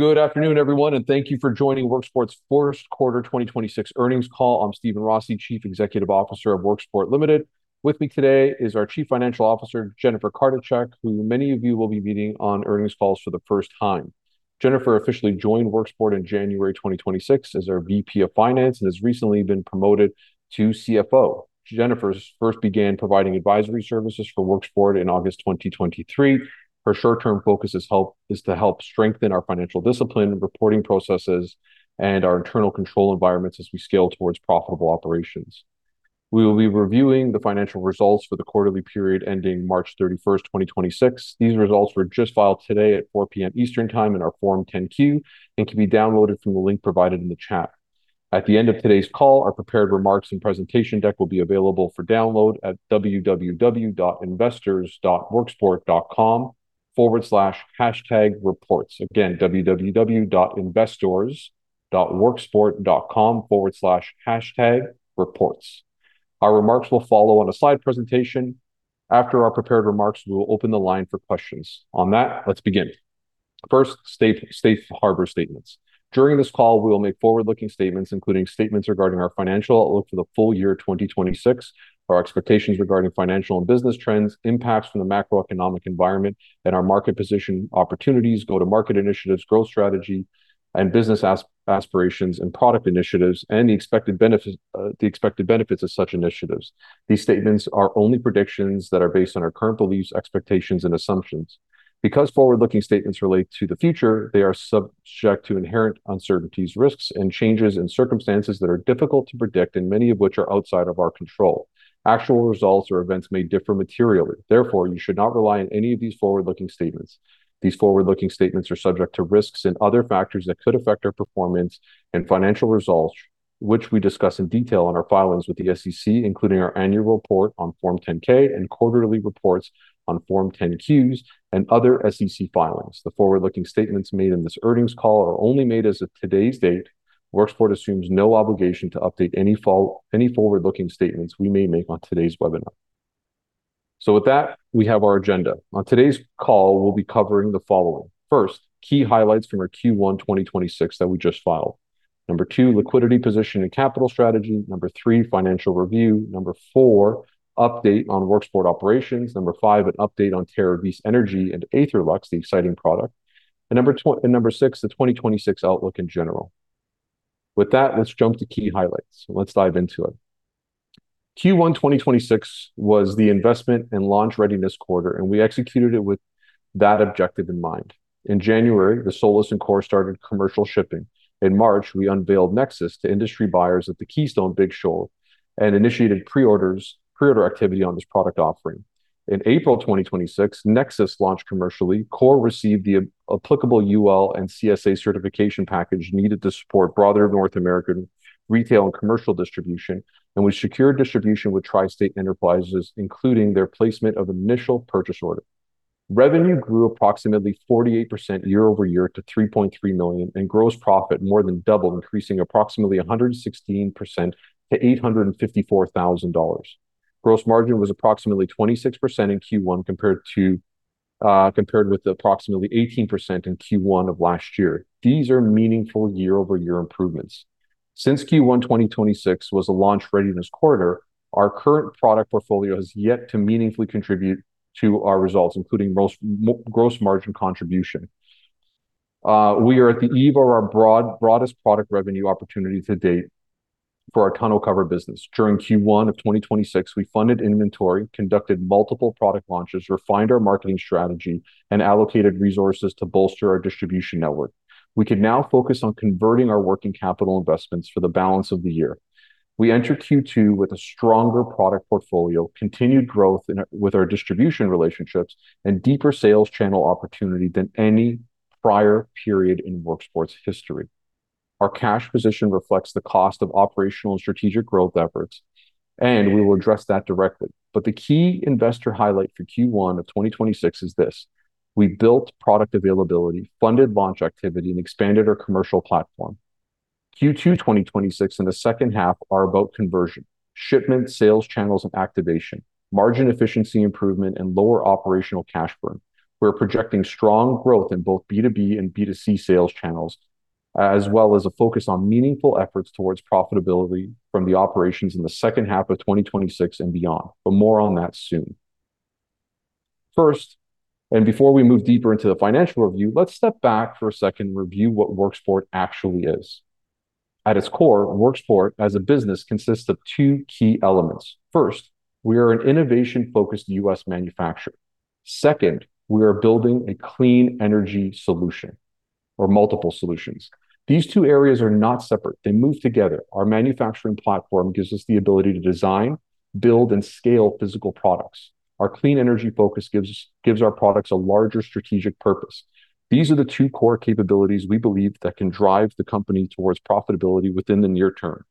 Good afternoon, everyone. Thank you for joining Worksport's first quarter 2026 earnings call. I'm Steven Rossi, Chief Executive Officer of Worksport Limited. With me today is our Chief Financial Officer, Jennifer Kartychak, who many of you will be meeting on earnings calls for the first time. Jennifer officially joined Worksport in January 2026 as our VP of Finance and has recently been promoted to CFO. Jennifer first began providing advisory services for Worksport in August 2023. Her short-term focus is to help strengthen our financial discipline, reporting processes, and our internal control environments as we scale towards profitable operations. We will be reviewing the financial results for the quarterly period ending March 31, 2026. These results were just filed today at 4:00 P.M. Eastern Time in our Form 10-Q and can be downloaded from the link provided in the chat. At the end of today's call, our prepared remarks and presentation deck will be available for download at www.investors.worksport.com/hashtagreports. Again, www.investors.worksport.com/hashtagreports. Our remarks will follow on a slide presentation. After our prepared remarks, we will open the line for questions. On that, let's begin. First, safe harbor statements. During this call, we will make forward-looking statements, including statements regarding our financial outlook for the full year 2026, our expectations regarding financial and business trends, impacts from the macroeconomic environment and our market position, opportunities, go-to-market initiatives, growth strategy, and business aspirations and product initiatives, and the expected benefits of such initiatives. These statements are only predictions that are based on our current beliefs, expectations, and assumptions. Because forward-looking statements relate to the future, they are subject to inherent uncertainties, risks, and changes in circumstances that are difficult to predict and many of which are outside of our control. Actual results or events may differ materially. Therefore, you should not rely on any of these forward-looking statements. These forward-looking statements are subject to risks and other factors that could affect our performance and financial results, which we discuss in detail in our filings with the SEC, including our annual report on Form 10-K and quarterly reports on Form 10-Qs, and other SEC filings. The forward-looking statements made in this earnings call are only made as of today's date. Worksport assumes no obligation to update any forward-looking statements we may make on today's webinar. With that, we have our agenda. On today's call, we'll be covering the following. First, key highlights from our Q1 2026 that we just filed. Number two, liquidity position and capital strategy. Number three, financial review. Number four, update on Worksport operations. Number five, an update on Terravis Energy and Aetherlux, the exciting product. Number six, the 2026 outlook in general. With that, let's jump to key highlights. Let's dive into it. Q1 2026 was the investment and launch readiness quarter, and we executed it with that objective in mind. In January, the SOLIS and COR started commercial shipping. In March, we unveiled NEXUS to industry buyers at the Keystone BIG Show and initiated pre-order activity on this product offering. In April 2026, NEXUS launched commercially, COR received the applicable UL and CSA certification package needed to support broader North American retail and commercial distribution. We secured distribution with Tri-State Enterprises, including their placement of initial purchase order. Revenue grew approximately 48% year-over-year to $3.3 million, and gross profit more than doubled, increasing approximately 116% to $854,000. Gross margin was approximately 26% in Q1 compared with approximately 18% in Q1 of last year. These are meaningful year-over-year improvements. Since Q1 2026 was a launch readiness quarter, our current product portfolio has yet to meaningfully contribute to our results, including gross margin contribution. We are at the eve of our broad, broadest product revenue opportunity to date for our tonneau cover business. During Q1 of 2026, we funded inventory, conducted multiple product launches, refined our marketing strategy, and allocated resources to bolster our distribution network. We can now focus on converting our working capital investments for the balance of the year. We enter Q2 with a stronger product portfolio, continued growth with our distribution relationships, and deeper sales channel opportunity than any prior period in Worksport's history. Our cash position reflects the cost of operational and strategic growth efforts, we will address that directly. The key investor highlight for Q1 of 2026 is this: We built product availability, funded launch activity, and expanded our commercial platform. Q2 2026 and the second half are about conversion, shipment, sales channels, and activation, margin efficiency improvement, and lower operational cash burn. We're projecting strong growth in both B2B and B2C sales channels, as well as a focus on meaningful efforts towards profitability from the operations in the second half of 2026 and beyond. More on that soon. First, and before we move deeper into the financial review, let's step back for a second and review what Worksport actually is. At its core, Worksport as a business consists of two key elements. First, we are an innovation-focused U.S. manufacturer. Second, we are building a clean energy solution or multiple solutions. These two areas are not separate. They move together. Our manufacturing platform gives us the ability to design, build, and scale physical products. Our clean energy focus gives our products a larger strategic purpose. These are the two core capabilities we believe that can drive the company towards profitability within the near term.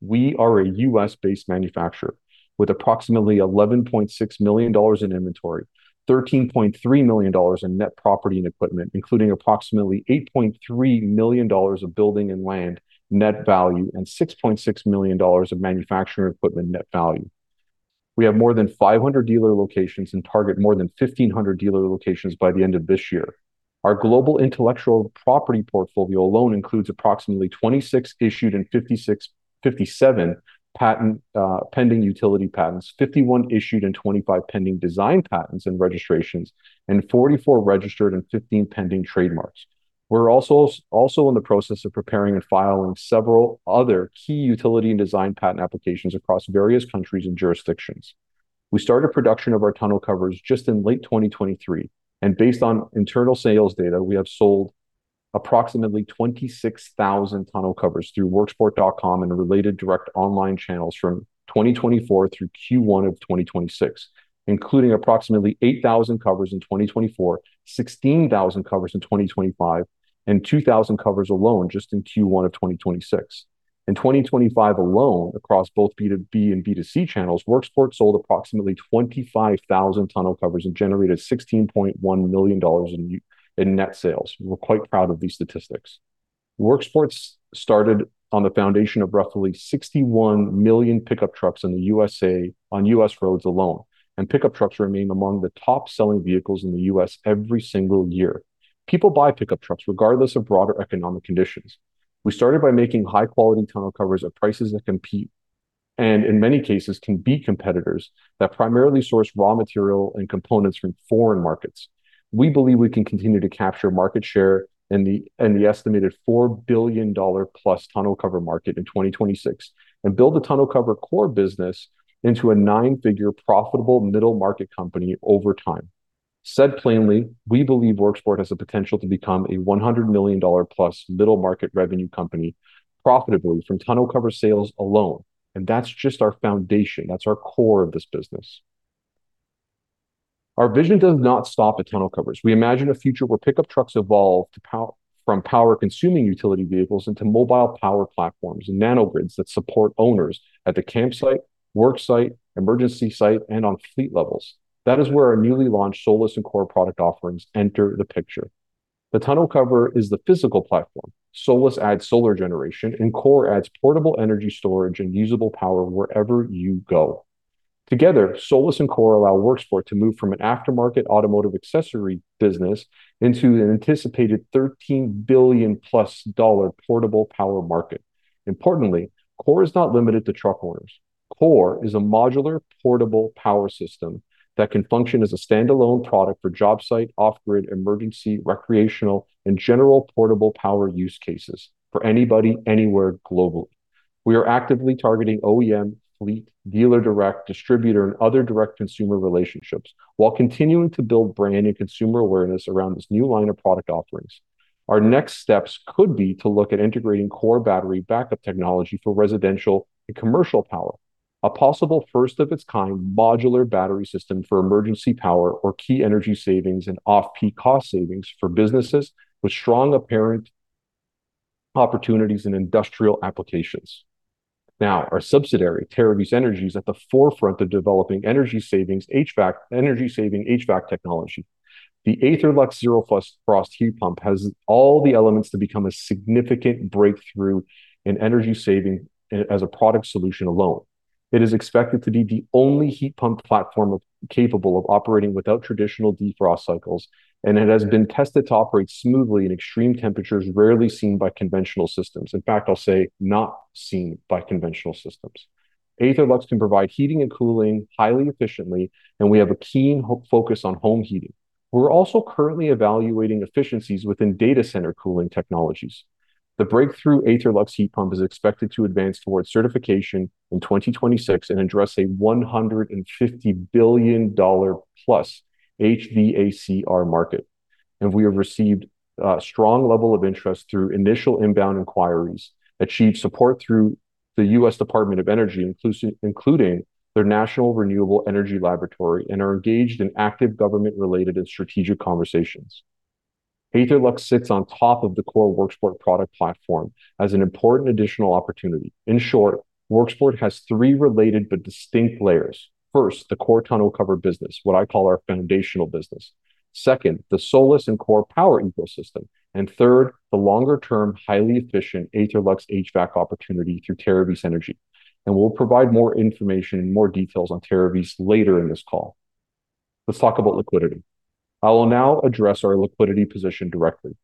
We are a U.S.-based manufacturer with approximately $11.6 million in inventory, $13.3 million in net property and equipment, including approximately $8.3 million of building and land net value and $6.6 million of manufacturing equipment net value. We have more than 500 dealer locations and target more than 1,500 dealer locations by the end of this year. Our global intellectual property portfolio alone includes approximately 26 issued and 57 patent pending utility patents, 51 issued and 25 pending design patents and registrations, and 44 registered and 15 pending trademarks. We're also in the process of preparing and filing several other key utility and design patent applications across various countries and jurisdictions. We started production of our tonneau covers just in late 2023. Based on internal sales data, we have sold approximately 26,000 tonneau covers through worksport.com and related direct online channels from 2024 through Q1 of 2026, including approximately 8,000 covers in 2024, 16,000 covers in 2025, and 2,000 covers alone just in Q1 of 2026. In 2025 alone, across both B2B and B2C channels, Worksport sold approximately 25,000 tonneau covers and generated $16.1 million in net sales. We're quite proud of these statistics. Worksport started on the foundation of roughly 61 million pickup trucks in the USA on U.S. roads alone. Pickup trucks remain among the top-selling vehicles in the U.S. every single year. People buy pickup trucks regardless of broader economic conditions. We started by making high-quality tonneau covers at prices that compete and, in many cases, can beat competitors that primarily source raw material and components from foreign markets. We believe we can continue to capture market share in the estimated $4 billion-plus tonneau cover market in 2026 and build the tonneau cover COR business into a nine-figure profitable middle-market company over time. Said plainly, we believe Worksport has the potential to become a $100 million-plus middle-market revenue company profitably from tonneau cover sales alone. That's just our foundation. That's our core of this business. Our vision does not stop at tonneau covers. We imagine a future where pickup trucks evolve from power-consuming utility vehicles into mobile power platforms and nanogrids that support owners at the campsite, work site, emergency site, and on fleet levels. That is where our newly launched SOLIS and COR product offerings enter the picture. The tonneau cover is the physical platform. SOLIS adds solar generation, and COR adds portable energy storage and usable power wherever you go. Together, SOLIS and COR allow Worksport to move from an aftermarket automotive accessory business into an anticipated $13 billion-plus portable power market. Importantly, COR is not limited to truck owners. COR is a modular portable power system that can function as a standalone product for job site, off-grid, emergency, recreational, and general portable power use cases for anybody, anywhere globally. We are actively targeting OEM, fleet, dealer direct, distributor, and other direct consumer relationships while continuing to build brand and consumer awareness around this new line of product offerings. Our next steps could be to look at integrating COR battery backup technology for residential and commercial power, a possible first-of-its-kind modular battery system for emergency power or key energy savings and off-peak cost savings for businesses with strong apparent opportunities in industrial applications. Our subsidiary, Terravis Energy, is at the forefront of developing energy savings HVAC technology. The Aetherlux ZeroFrost heat pump has all the elements to become a significant breakthrough in energy saving as a product solution alone. It is expected to be the only heat pump platform capable of operating without traditional defrost cycles. It has been tested to operate smoothly in extreme temperatures rarely seen by conventional systems. In fact, I'll say not seen by conventional systems. Aetherlux can provide heating and cooling highly efficiently. We have a keen focus on home heating. We're also currently evaluating efficiencies within data center cooling technologies. The breakthrough Aetherlux heat pump is expected to advance towards certification in 2026 and address a $150 billion-plus HVACR market. We have received a strong level of interest through initial inbound inquiries, achieved support through the U.S. Department of Energy, including their National Renewable Energy Laboratory, and are engaged in active government-related and strategic conversations. Aetherlux sits on top of the Core Worksport product platform as an important additional opportunity. In short, Worksport has three related but distinct layers. First, the Core tonneau cover business, what I call our foundational business. Second, the SOLIS and COR power ecosystem. Third, the longer-term, highly efficient Aetherlux HVAC opportunity through Terravis Energy. We'll provide more information and more details on Terravis later in this call. Let's talk about liquidity. I will now address our liquidity position directly.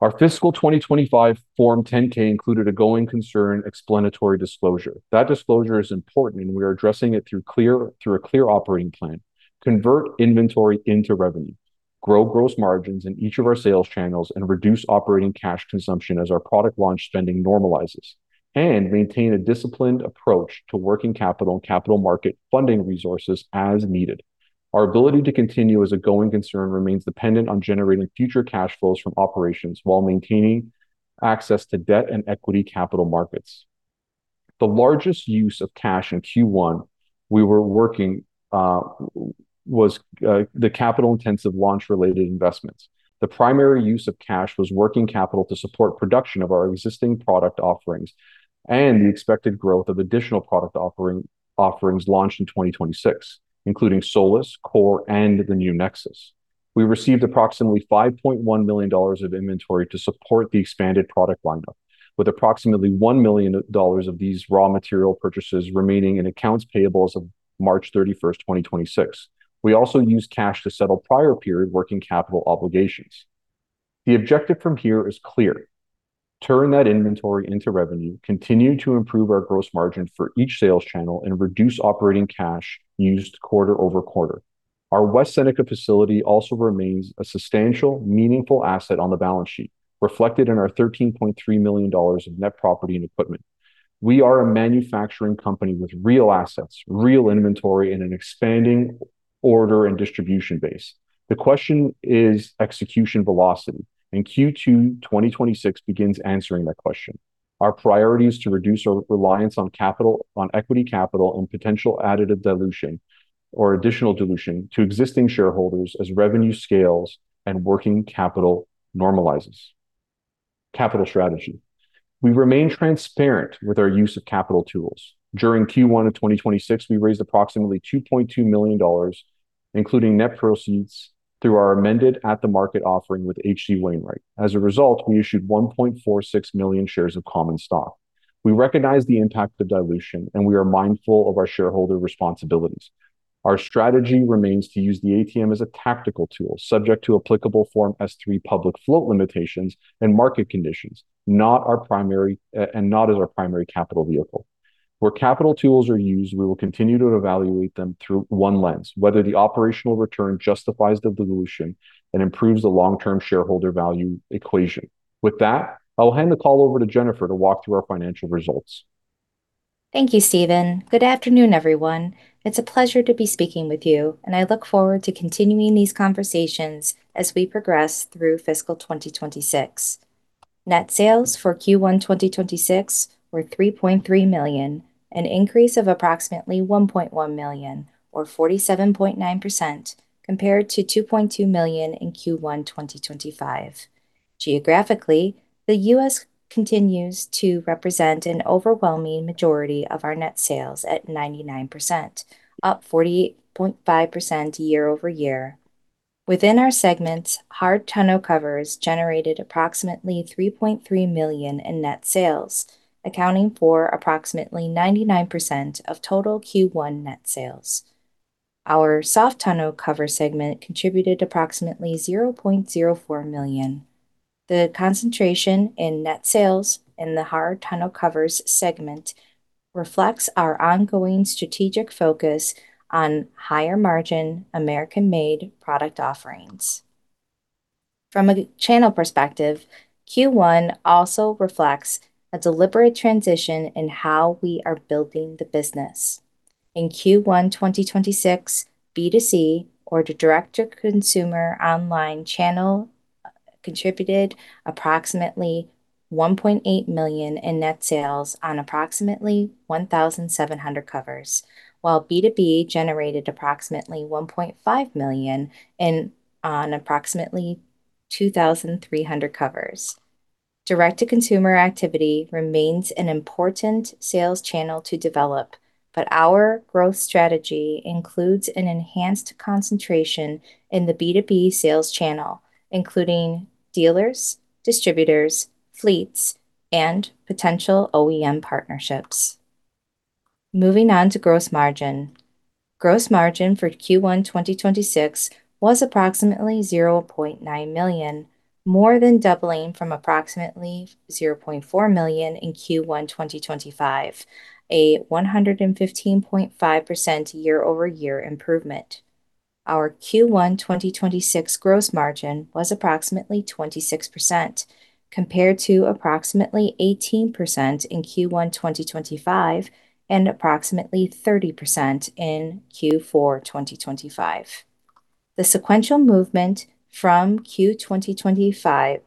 Our fiscal 2025 Form 10-K included a going concern explanatory disclosure. That disclosure is important, we are addressing it through a clear operating plan. Convert inventory into revenue, grow gross margins in each of our sales channels, reduce operating cash consumption as our product launch spending normalizes, maintain a disciplined approach to working capital and capital market funding resources as needed. Our ability to continue as a going concern remains dependent on generating future cash flows from operations while maintaining access to debt and equity capital markets. The largest use of cash in Q1 was the capital-intensive launch-related investments. The primary use of cash was working capital to support production of our existing product offerings and the expected growth of additional product offerings launched in 2026, including SOLIS, COR, and the new NEXUS. We received approximately $5.1 million of inventory to support the expanded product lineup, with approximately $1 million of these raw material purchases remaining in accounts payable as of March 31st, 2026. We also used cash to settle prior period working capital obligations. The objective from here is clear: turn that inventory into revenue, continue to improve our gross margin for each sales channel, and reduce operating cash used quarter-over-quarter. Our West Seneca facility also remains a substantial, meaningful asset on the balance sheet, reflected in our $13.3 million of net property and equipment. We are a manufacturing company with real assets, real inventory, and an expanding order and distribution base. The question is execution velocity. Q2 2026 begins answering that question. Our priority is to reduce our reliance on equity capital and potential additional dilution to existing shareholders as revenue scales and working capital normalizes. Capital strategy. We remain transparent with our use of capital tools. During Q1 of 2026, we raised approximately $2.2 million, including net proceeds through our amended at-the-market offering with H.C. Wainwright. As a result, we issued 1.46 million shares of common stock. We recognize the impact of dilution. We are mindful of our shareholder responsibilities. Our strategy remains to use the ATM as a tactical tool subject to applicable Form S-3 public float limitations and market conditions, not our primary, and not as our primary capital vehicle. Where capital tools are used, we will continue to evaluate them through one lens, whether the operational return justifies the dilution and improves the long-term shareholder value equation. With that, I will hand the call over to Jennifer to walk through our financial results. Thank you, Steven. Good afternoon, everyone. It's a pleasure to be speaking with you, and I look forward to continuing these conversations as we progress through fiscal 2026. Net sales for Q1 2026 were $3.3 million, an increase of approximately $1.1 million or 47.9% compared to $2.2 million in Q1 2025. Geographically, the U.S. continues to represent an overwhelming majority of our net sales at 99%, up 48.5% year-over-year. Within our segments, hard tonneau covers generated approximately $3.3 million in net sales, accounting for approximately 99% of total Q1 net sales. Our soft tonneau cover segment contributed approximately $0.04 million. The concentration in net sales in the hard tonneau covers segment reflects our ongoing strategic focus on higher margin American-made product offerings. From a channel perspective, Q1 also reflects a deliberate transition in how we are building the business. In Q1 2026, B2C or the direct-to-consumer online channel contributed approximately $1.8 million in net sales on approximately 1,700 covers, while B2B generated approximately $1.5 million on approximately 2,300 covers. Direct-to-consumer activity remains an important sales channel to develop, but our growth strategy includes an enhanced concentration in the B2B sales channel, including dealers, distributors, fleets, and potential OEM partnerships. Moving on to gross margin. Gross margin for Q1 2026 was approximately $0.9 million, more than doubling from approximately $0.4 million in Q1 2025, a 115.5% year-over-year improvement. Our Q1 2026 gross margin was approximately 26% compared to approximately 18% in Q1 2025 and approximately 30% in Q4 2025. The sequential movement from Q4 2025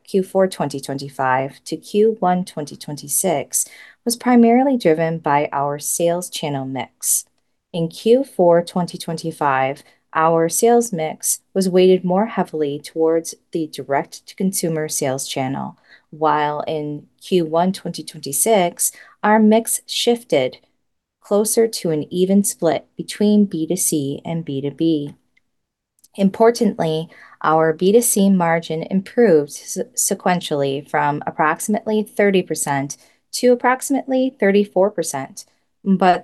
to Q1 2026 was primarily driven by our sales channel mix. In Q4 2025, our sales mix was weighted more heavily towards the direct-to-consumer sales channel, while in Q1 2026, our mix shifted closer to an even split between B2C and B2B. Importantly, our B2C margin improved sequentially from approximately 30% to approximately 34%,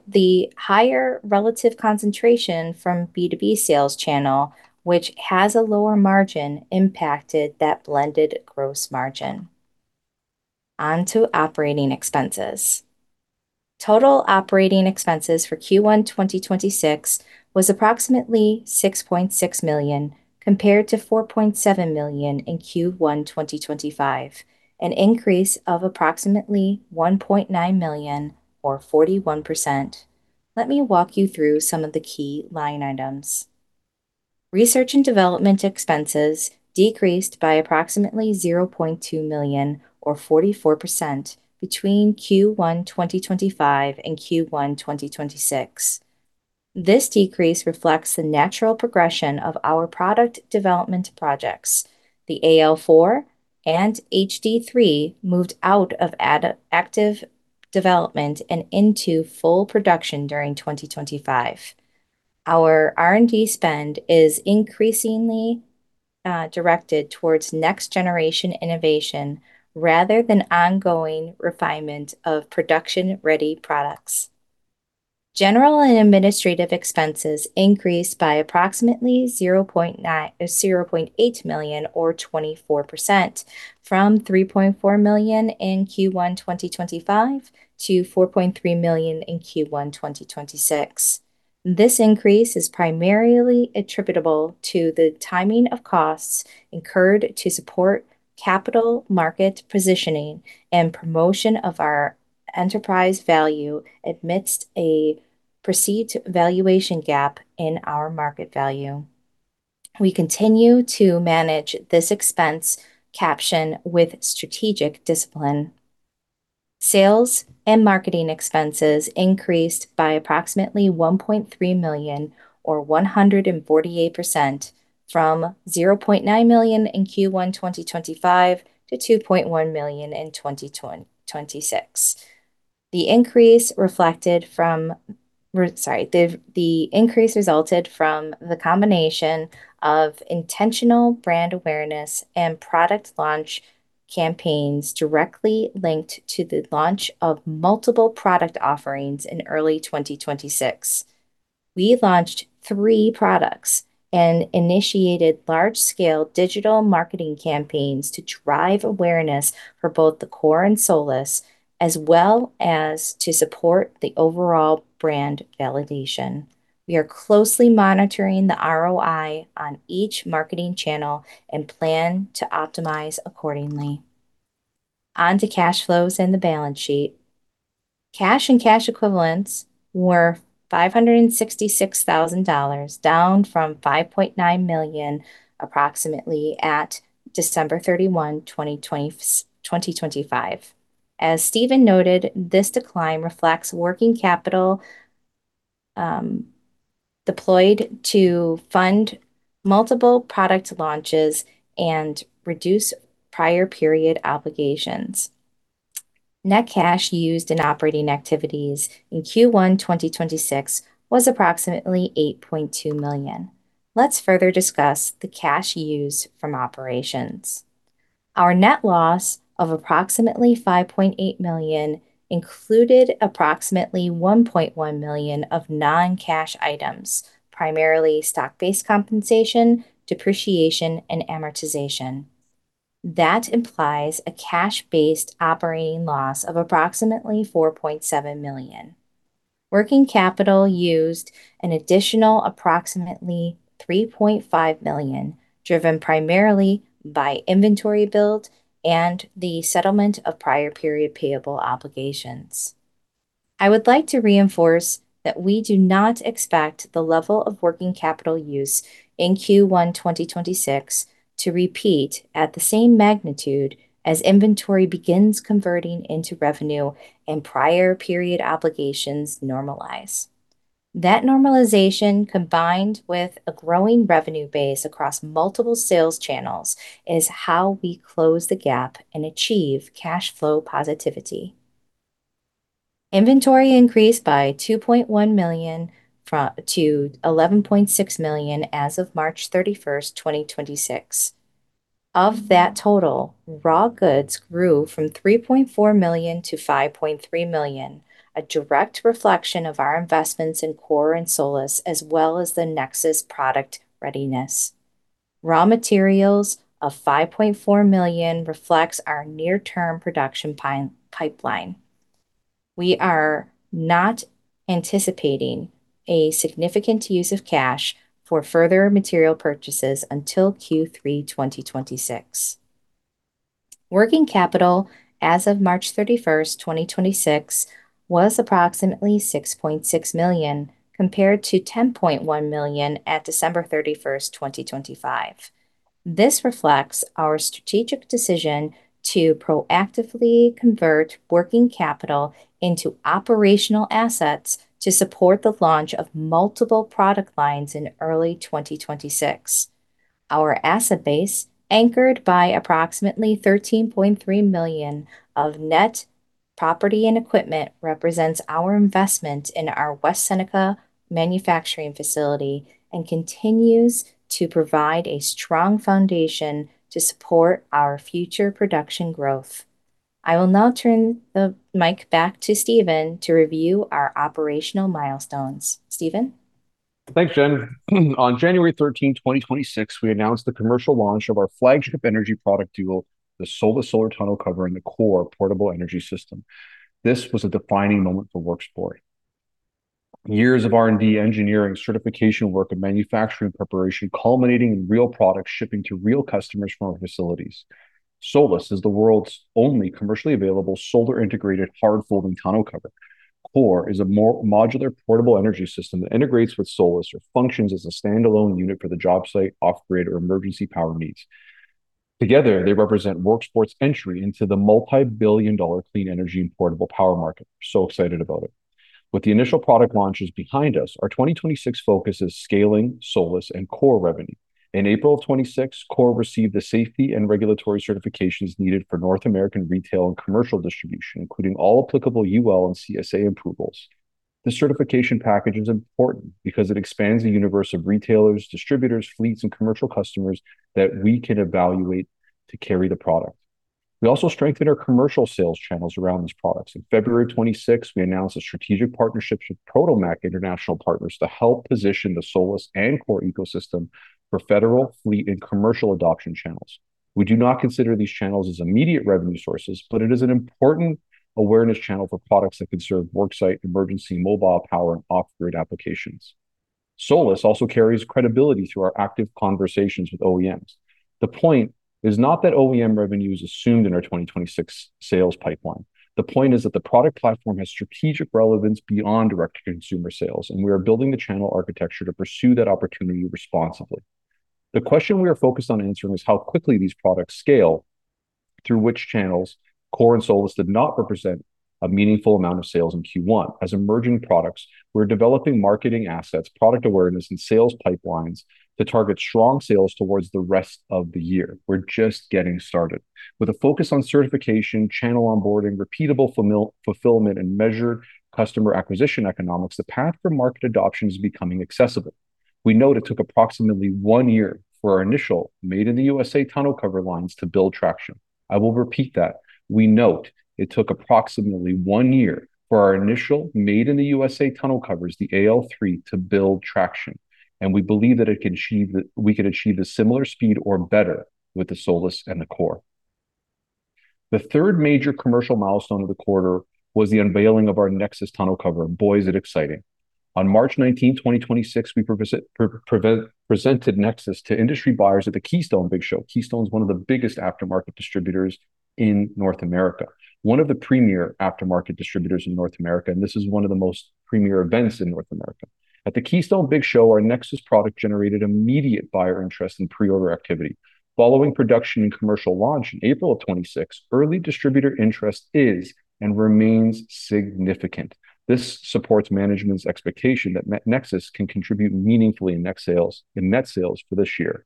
the higher relative concentration from B2B sales channel, which has a lower margin, impacted that blended gross margin. Onto operating expenses. Total operating expenses for Q1 2026 was approximately $6.6 million, compared to $4.7 million in Q1 2025, an increase of approximately $1.9 million or 41%. Let me walk you through some of the key line items. Research and development expenses decreased by approximately $0.2 million or 44% between Q1 2025 and Q1 2026. This decrease reflects the natural progression of our product development projects. The AL4 and HD3 moved out of active development and into full production during 2025. Our R&D spend is increasingly directed towards next generation innovation rather than ongoing refinement of production-ready products. General and administrative expenses increased by approximately $0.8 million or 24% from $3.4 million in Q1 2025 to $4.3 million in Q1 2026. This increase is primarily attributable to the timing of costs incurred to support capital market positioning and promotion of our enterprise value amidst a perceived valuation gap in our market value. We continue to manage this expense caption with strategic discipline. Sales and marketing expenses increased by approximately $1.3 million or 148% from $0.9 million in Q1 2025 to $2.1 million in 2026. The increase resulted from the combination of intentional brand awareness and product launch campaigns directly linked to the launch of multiple product offerings in early 2026. We launched three products and initiated large scale digital marketing campaigns to drive awareness for both the COR and SOLIS, as well as to support the overall brand validation. We are closely monitoring the ROI on each marketing channel and plan to optimize accordingly. Onto cash flows and the balance sheet. Cash and cash equivalents were $566,000, down from $5.9 million approximately at December 31, 2025. As Steven noted, this decline reflects working capital deployed to fund multiple product launches and reduce prior period obligations. Net cash used in operating activities in Q1 2026 was approximately $8.2 million. Let's further discuss the cash used from operations. Our net loss of approximately $5.8 million included approximately $1.1 million of non-cash items, primarily stock-based compensation, depreciation and amortization. That implies a cash-based operating loss of approximately $4.7 million. Working capital used an additional approximately $3.5 million, driven primarily by inventory build and the settlement of prior period payable obligations. I would like to reinforce that we do not expect the level of working capital use in Q1 2026 to repeat at the same magnitude as inventory begins converting into revenue and prior period obligations normalize. That normalization, combined with a growing revenue base across multiple sales channels, is how we close the gap and achieve cash flow positivity. Inventory increased by $2.1 million to $11.6 million as of March 31, 2026. Of that total, raw goods grew from $3.4 million to $5.3 million, a direct reflection of our investments in COR and SOLIS, as well as the NEXUS product readiness. Raw materials of $5.4 million reflects our near-term production pipeline. We are not anticipating a significant use of cash for further material purchases until Q3 2026. Working capital as of March 31, 2026 was approximately $6.6 million, compared to $10.1 million at December 31, 2025. This reflects our strategic decision to proactively convert working capital into operational assets to support the launch of multiple product lines in early 2026. Our asset base, anchored by approximately $13.3 million of net property and equipment, represents our investment in our West Seneca manufacturing facility and continues to provide a strong foundation to support our future production growth. I will now turn the mic back to Steven to review our operational milestones. Steven? Thanks, Jen. On January 13, 2026, we announced the commercial launch of our flagship energy product duo, the SOLIS solar tonneau cover and the COR portable energy system. This was a defining moment for Worksport. Years of R&D, engineering, certification work and manufacturing preparation culminating in real products shipping to real customers from our facilities. SOLIS is the world's only commercially available solar integrated hard folding tonneau cover. COR is a modular portable energy system that integrates with SOLIS or functions as a standalone unit for the job site, off-grid or emergency power needs. Together, they represent Worksport's entry into the multi-billion dollar clean energy and portable power market. Excited about it. With the initial product launches behind us, our 2026 focus is scaling SOLIS and COR revenue. In April of 2026, COR received the safety and regulatory certifications needed for North American retail and commercial distribution, including all applicable UL and CSA approvals. The certification package is important because it expands the universe of retailers, distributors, fleets, and commercial customers that we can evaluate to carry the product. We also strengthened our commercial sales channels around these products. On February 26, we announced a strategic partnership with Potomac International Partners to help position the SOLIS and COR ecosystem for federal, fleet, and commercial adoption channels. We do not consider these channels as immediate revenue sources, but it is an important awareness channel for products that could serve work site, emergency mobile power, and off-grid applications. SOLIS also carries credibility through our active conversations with OEMs. The point is not that OEM revenue is assumed in our 2026 sales pipeline. The point is that the product platform has strategic relevance beyond direct-to-consumer sales, and we are building the channel architecture to pursue that opportunity responsibly. The question we are focused on answering is how quickly these products scale through which channels. COR and SOLIS did not represent a meaningful amount of sales in Q1. As emerging products, we're developing marketing assets, product awareness, and sales pipelines to target strong sales towards the rest of the year. We're just getting started. With a focus on certification, channel onboarding, repeatable fulfillment, and measured customer acquisition economics, the path for market adoption is becoming accessible. We note it took approximately one year for our initial Made in the U.S.A. tonneau cover lines to build traction. I will repeat that. We note it took approximately one year for our initial Made in the USA tonneau covers, the AL3, to build traction, and we believe that we could achieve a similar speed or better with the SOLIS and the COR. The third major commercial milestone of the quarter was the unveiling of our NEXUS tonneau cover. Boy, is it exciting. On March 19, 2026, we presented NEXUS to industry buyers at the Keystone BIG Show. Keystone's one of the biggest aftermarket distributors in North America, one of the premier aftermarket distributors in North America, and this is one of the most premier events in North America. At the Keystone BIG Show, our NEXUS product generated immediate buyer interest and pre-order activity. Following production and commercial launch in April of 2026, early distributor interest is and remains significant. This supports management's expectation that NEXUS can contribute meaningfully in net sales for this year.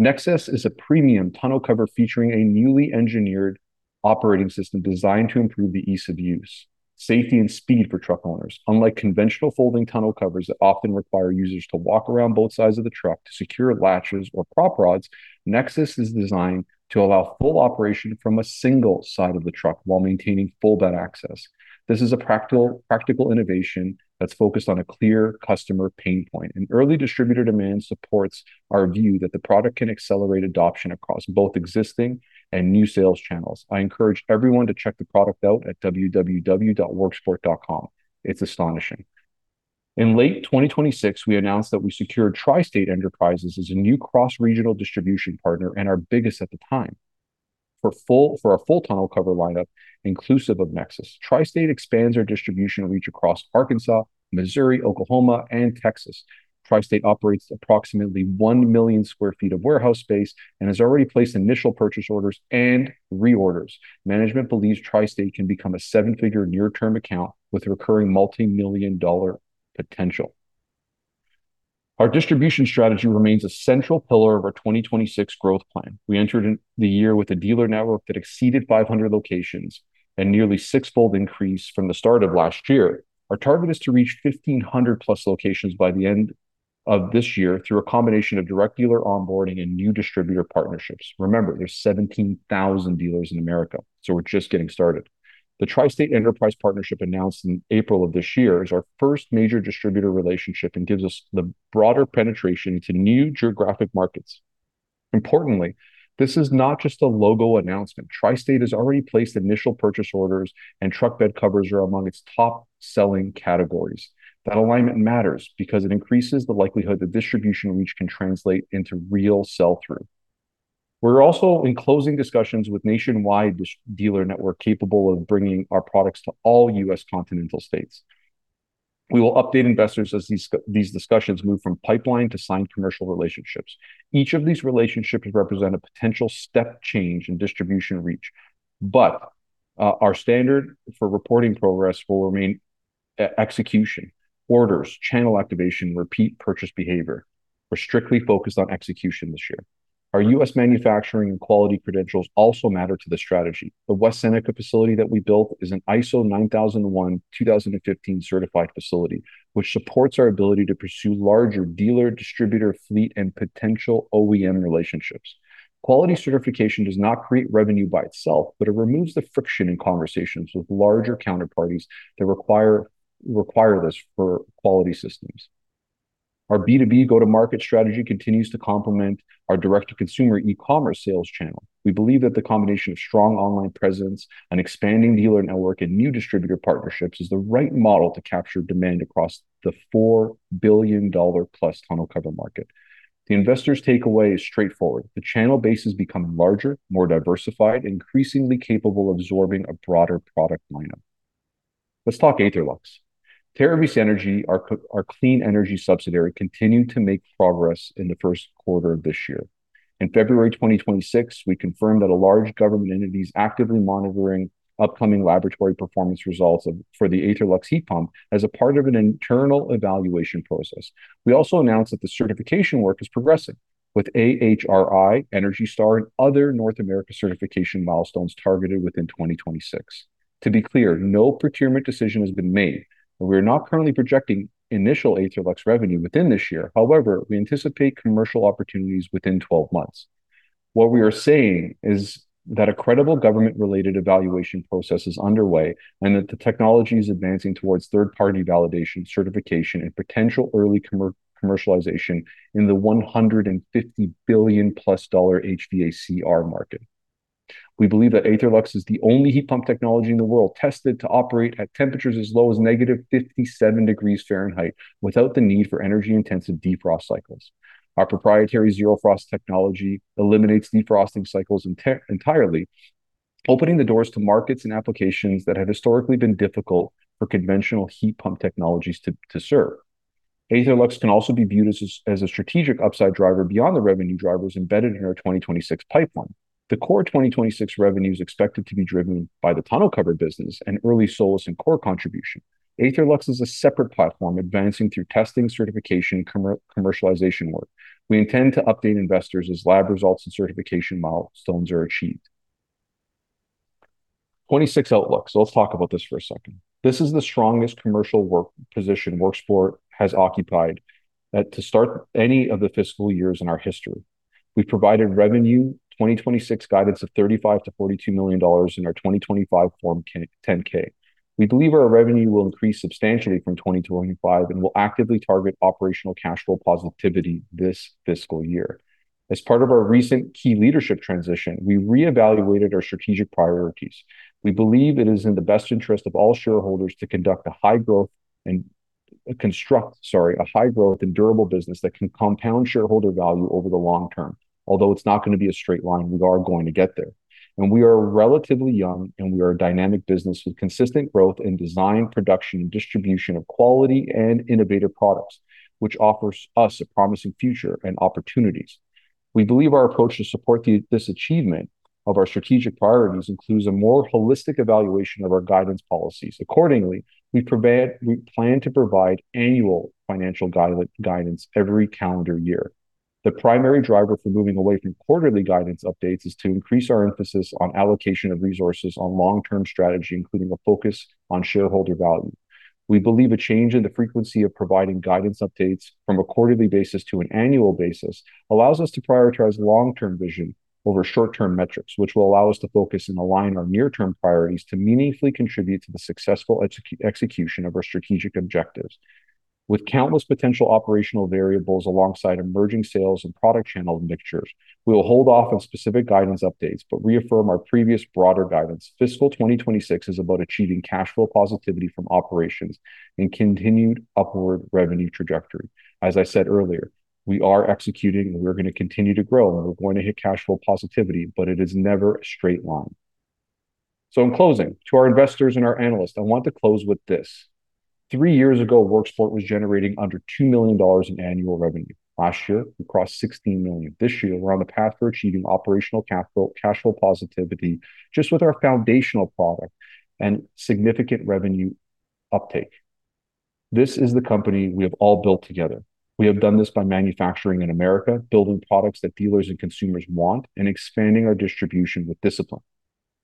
NEXUS is a premium tonneau cover featuring a newly engineered operating system designed to improve the ease of use, safety, and speed for truck owners. Unlike conventional folding tonneau covers that often require users to walk around both sides of the truck to secure latches or prop rods, NEXUS is designed to allow full operation from a single side of the truck while maintaining full bed access. This is a practical innovation that's focused on a clear customer pain point, and early distributor demand supports our view that the product can accelerate adoption across both existing and new sales channels. I encourage everyone to check the product out at www.worksport.com. It's astonishing. In late 2026, we announced that we secured Tri-State Enterprises as a new cross-regional distribution partner and our biggest at the time for our full tonneau cover lineup, inclusive of NEXUS. Tri-State expands our distribution reach across Arkansas, Missouri, Oklahoma, and Texas. Tri-State operates approximately 1 million sq ft of warehouse space and has already placed initial purchase orders and reorders. Management believes Tri-State can become a seven-figure near-term account with recurring multi-million dollar potential. Our distribution strategy remains a central pillar of our 2026 growth plan. We entered in the year with a dealer network that exceeded 500 locations, a nearly six-fold increase from the start of last year. Our target is to reach 1,500 plus locations by the end of this year through a combination of direct dealer onboarding and new distributor partnerships. Remember, there's 17,000 dealers in America. We're just getting started. The Tri-State Enterprises partnership announced in April of this year is our first major distributor relationship and gives us the broader penetration to new geographic markets. Importantly, this is not just a logo announcement. Tri-State has already placed initial purchase orders. Truck bed covers are among its top-selling categories. That alignment matters because it increases the likelihood that distribution reach can translate into real sell-through. We're also in closing discussions with nationwide dealer network capable of bringing our products to all U.S. continental states. We will update investors as these discussions move from pipeline to signed commercial relationships. Each of these relationships represent a potential step change in distribution reach. Our standard for reporting progress will remain execution, orders, channel activation, repeat purchase behavior. We're strictly focused on execution this year. Our U.S. manufacturing and quality credentials also matter to the strategy. The West Seneca facility that we built is an ISO 9001:2015 certified facility, which supports our ability to pursue larger dealer, distributor, fleet, and potential OEM relationships. Quality certification does not create revenue by itself, it removes the friction in conversations with larger counterparties that require this for quality systems. Our B2B go-to-market strategy continues to complement our direct-to-consumer e-commerce sales channel. We believe that the combination of strong online presence, an expanding dealer network, and new distributor partnerships is the right model to capture demand across the $4 billion-plus tonneau cover market. The investor's takeaway is straightforward. The channel base is becoming larger, more diversified, increasingly capable of absorbing a broader product lineup. Let's talk Aetherlux. Terravis Energy, our clean energy subsidiary, continued to make progress in the first quarter of this year. In February 2026, we confirmed that a large government entity is actively monitoring upcoming laboratory performance results for the Aetherlux heat pump as a part of an internal evaluation process. We also announced that the certification work is progressing with AHRI, ENERGY STAR, and other North America certification milestones targeted within 2026. To be clear, no procurement decision has been made, and we are not currently projecting initial Aetherlux revenue within this year. However, we anticipate commercial opportunities within 12 months. What we are saying is that a credible government-related evaluation process is underway and that the technology is advancing towards third-party validation, certification, and potential early commercialization in the $150 billion-plus HVACR market. We believe that Aetherlux is the only heat pump technology in the world tested to operate at temperatures as low as -57 degrees Fahrenheit without the need for energy-intensive defrost cycles. Our proprietary zero-frost technology eliminates defrosting cycles entirely, opening the doors to markets and applications that have historically been difficult for conventional heat pump technologies to serve. Aetherlux can also be viewed as a strategic upside driver beyond the revenue drivers embedded in our 2026 pipeline. The core 2026 revenue is expected to be driven by the tonneau cover business and early SOLIS and COR contribution. Aetherlux is a separate platform advancing through testing, certification, commercialization work. We intend to update investors as lab results and certification milestones are achieved. 2026 outlook. Let's talk about this for a second. This is the strongest commercial position Worksport has occupied to start any of the fiscal years in our history. We provided revenue 2026 guidance of $35 million-$42 million in our 2025 Form 10-K. We believe our revenue will increase substantially from 2025 and will actively target operational cash flow positivity this fiscal year. As part of our recent key leadership transition, we reevaluated our strategic priorities. We believe it is in the best interest of all shareholders to construct a high growth and durable business that can compound shareholder value over the long term. Although it's not gonna be a straight line, we are going to get there. We are relatively young, and we are a dynamic business with consistent growth in design, production, and distribution of quality and innovative products, which offers us a promising future and opportunities. We believe our approach to support this achievement of our strategic priorities includes a more holistic evaluation of our guidance policies. Accordingly, we plan to provide annual financial guidance every calendar year. The primary driver for moving away from quarterly guidance updates is to increase our emphasis on allocation of resources on long-term strategy, including a focus on shareholder value. We believe a change in the frequency of providing guidance updates from a quarterly basis to an annual basis allows us to prioritize long-term vision over short-term metrics, which will allow us to focus and align our near-term priorities to meaningfully contribute to the successful execution of our strategic objectives. With countless potential operational variables alongside emerging sales and product channel mixtures, we will hold off on specific guidance updates but reaffirm our previous broader guidance. Fiscal 2026 is about achieving cash flow positivity from operations and continued upward revenue trajectory. As I said earlier, we are executing, we're going to continue to grow, we're going to hit cash flow positivity, it is never a straight line. In closing, to our investors and our analysts, I want to close with this. Three years ago, Worksport was generating under $2 million in annual revenue. Last year, we crossed $16 million. This year, we're on the path for achieving operational cash flow positivity just with our foundational product and significant revenue uptake. This is the company we have all built together. We have done this by manufacturing in America, building products that dealers and consumers want, and expanding our distribution with discipline.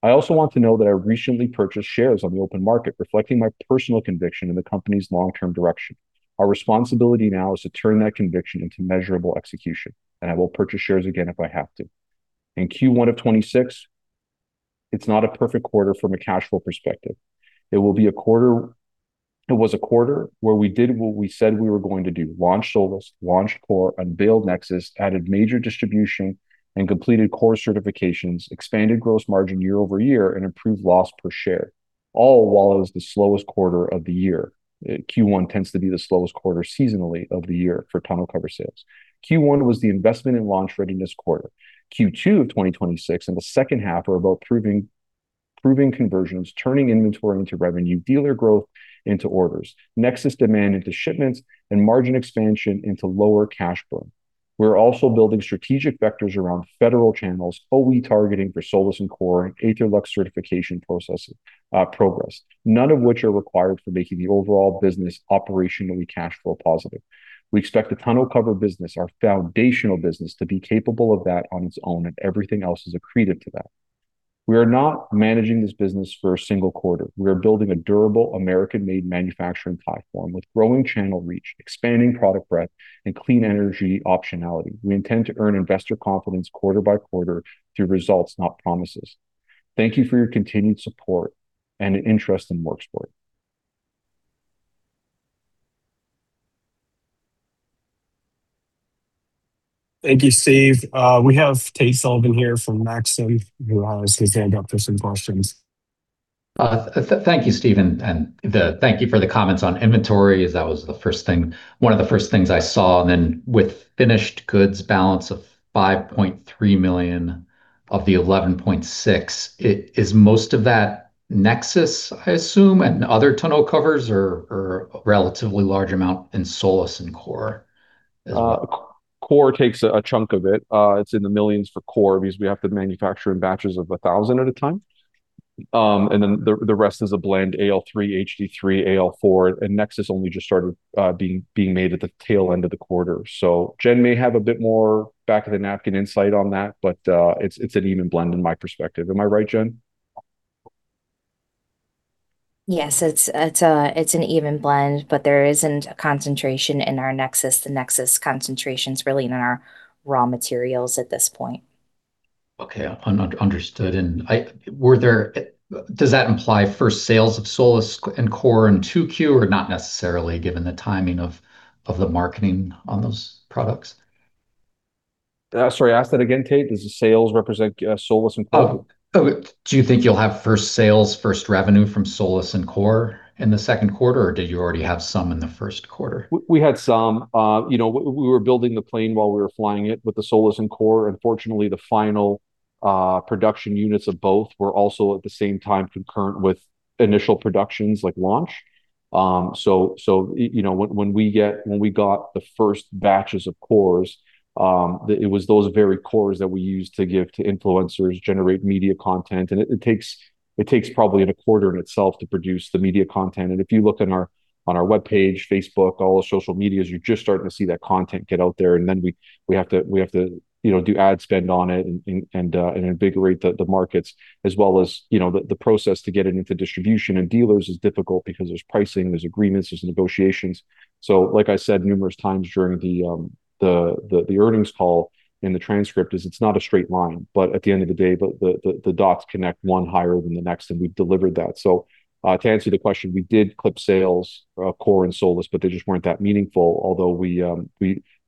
I also want to note that I recently purchased shares on the open market, reflecting my personal conviction in the company's long-term direction. Our responsibility now is to turn that conviction into measurable execution. I will purchase shares again if I have to. In Q1 of 2026, it's not a perfect quarter from a cash flow perspective. It was a quarter where we did what we said we were going to do, launch SOLIS, launch COR, unveil NEXUS, added major distribution, and completed COR certifications, expanded gross margin year-over-year, and improved loss per share, all while it was the slowest quarter of the year. Q1 tends to be the slowest quarter seasonally of the year for tonneau cover sales. Q1 was the investment and launch readiness quarter. Q2 of 2026 and the second half are about proving conversions, turning inventory into revenue, dealer growth into orders, NEXUS demand into shipments, and margin expansion into lower cash burn. We are also building strategic vectors around federal channels, OE targeting for SOLIS and COR, and Aetherlux certification processes progress, none of which are required for making the overall business operationally cash flow positive. We expect the tonneau cover business, our foundational business, to be capable of that on its own. Everything else is accretive to that. We are not managing this business for a single quarter. We are building a durable American-made manufacturing platform with growing channel reach, expanding product breadth, and clean energy optionality. We intend to earn investor confidence quarter by quarter through results, not promises. Thank you for your continued support and interest in Worksport. Thank you, Steve. We have Tate Sullivan here from Maxim, who has his hand up for some questions. Thank you, Steve, and thank you for the comments on inventory, as that was one of the first things I saw. With finished goods balance of $5.3 million of the $11.6 million, is most of that NEXUS, I assume, and other tonneau covers or a relatively large amount in SOLIS and COR as well? COR takes a chunk of it. It's in the millions for COR because we have to manufacture in batches of 1,000 at a time. The rest is a blend AL3, HD3, AL4, and NEXUS only just started being made at the tail end of the quarter. Jen may have a bit more back of the napkin insight on that, but it's an even blend in my perspective. Am I right, Jen? Yes. It's an even blend, but there isn't a concentration in our NEXUS. The NEXUS concentration's really in our raw materials at this point. Okay. Understood. Does that imply first sales of SOLIS and COR in 2Q or not necessarily given the timing of the marketing on those products? Sorry, ask that again, Tate. Does the sales represent SOLIS and COR? Do you think you'll have first sales, first revenue from SOLIS and COR in the second quarter, or did you already have some in the first quarter? We had some. We were building the plane while we were flying it with the SOLIS and COR. Unfortunately, the final production units of both were also at the same time concurrent with initial productions like launch. When we got the first batches of CORs, it was those very CORs that we used to give to influencers, generate media content. It takes probably in a quarter in itself to produce the media content. If you look on our webpage, Facebook, all the social medias, you are just starting to see that content get out there. We have to do ad spend on it and invigorate the markets as well as the process to get it into distribution and dealers is difficult because there's pricing, there's agreements, there's negotiations. Like I said numerous times during the earnings call in the transcript is it's not a straight line, but at the end of the day, the dots connect one higher than the next, and we've delivered that. To answer the question, we did clip sales, COR and SOLIS, but they just weren't that meaningful. Although we, you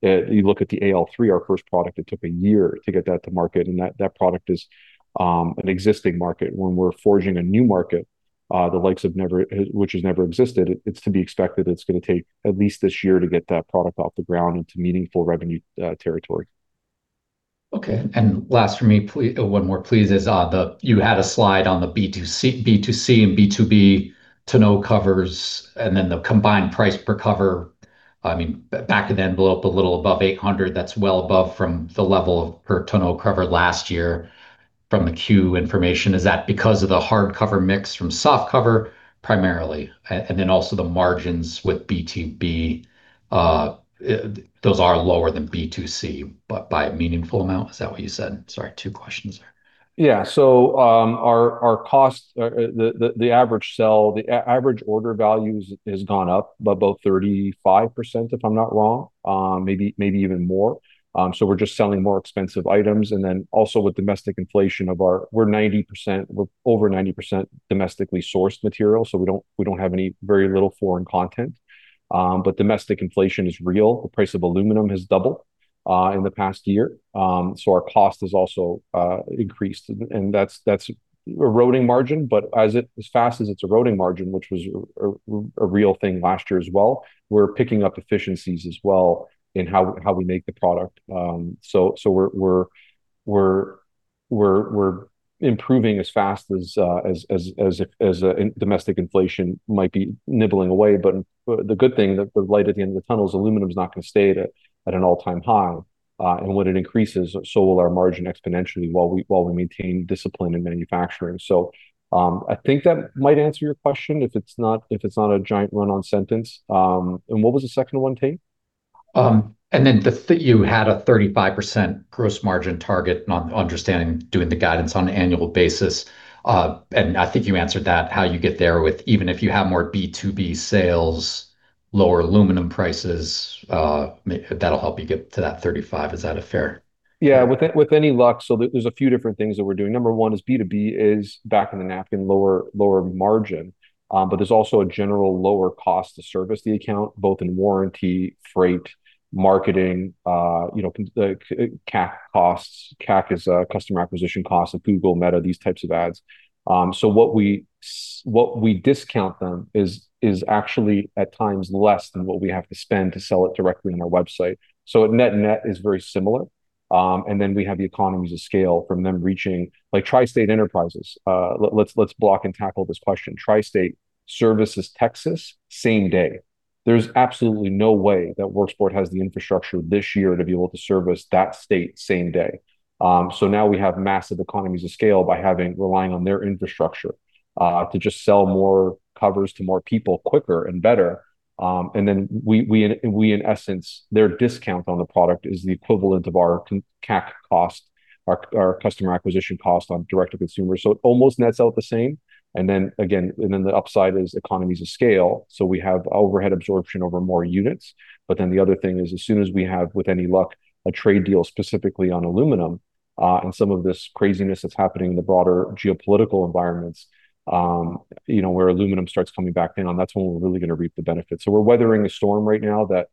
look at the AL3, our first product, it took a year to get that to market, and that product is an existing market. When we're forging a new market, the likes of never, which has never existed, it's to be expected it's gonna take at least this year to get that product off the ground into meaningful revenue, territory. Okay. Last for me, one more please, you had a slide on the B2C and B2B tonneau covers, then the combined price per cover, I mean, back of the envelope, a little above $800, that's well above from the level of per tonneau cover last year from the Q information. Is that because of the hardcover mix from softcover primarily? Also the margins with B2B, those are lower than B2C, but by a meaningful amount. Is that what you said? Sorry, two questions there. Yeah. Our costs, the average sell, the average order values has gone up by about 35%, if I'm not wrong, maybe even more. We're just selling more expensive items. Also with domestic inflation, we're 90%, we're over 90% domestically sourced material, so we don't, we don't have any very little foreign content. Domestic inflation is real. The price of aluminum has doubled in the past year. Our cost has also increased and that's eroding margin. As fast as it's eroding margin, which was a real thing last year as well, we're picking up efficiencies as well in how we make the product. We're improving as fast as domestic inflation might be nibbling away. The good thing that the light at the end of the tunnel is aluminum's not going to stay at an all-time high. When it increases, so will our margin exponentially while we maintain discipline in manufacturing. I think that might answer your question, if it's not a giant run-on sentence. What was the second one, Tate? You had a 35% gross margin target, not understanding doing the guidance on annual basis. I think you answered that, how you get there with even if you have more B2B sales, lower aluminum prices, that'll help you get to that 35. Is that a fair summary? Yeah. With any luck. There, there's a few different things that we're doing. Number one is B2B is back in the napkin, lower margin. But there's also a general lower cost to service the account, both in warranty, freight, marketing, CAC costs. CAC is customer acquisition costs of Google, Meta, these types of ads. What we discount them is actually at times less than what we have to spend to sell it directly on our website. At net is very similar, and then we have the economies of scale from them reaching like Tri-State Enterprises. Let's block and tackle this question. Tri-State services Texas same day. There's absolutely no way that Worksport has the infrastructure this year to be able to service that state same day. Now we have massive economies of scale by having relying on their infrastructure to just sell more covers to more people quicker and better. We in essence, their discount on the product is the equivalent of our CAC cost, our customer acquisition cost on direct to consumer. It almost nets out the same. Again, the upside is economies of scale, so we have overhead absorption over more units. The other thing is, as soon as we have, with any luck, a trade deal specifically on aluminum and some of this craziness that's happening in the broader geopolitical environments, you know, where aluminum starts coming back in, and that's when we're really gonna reap the benefits. We're weathering a storm right now that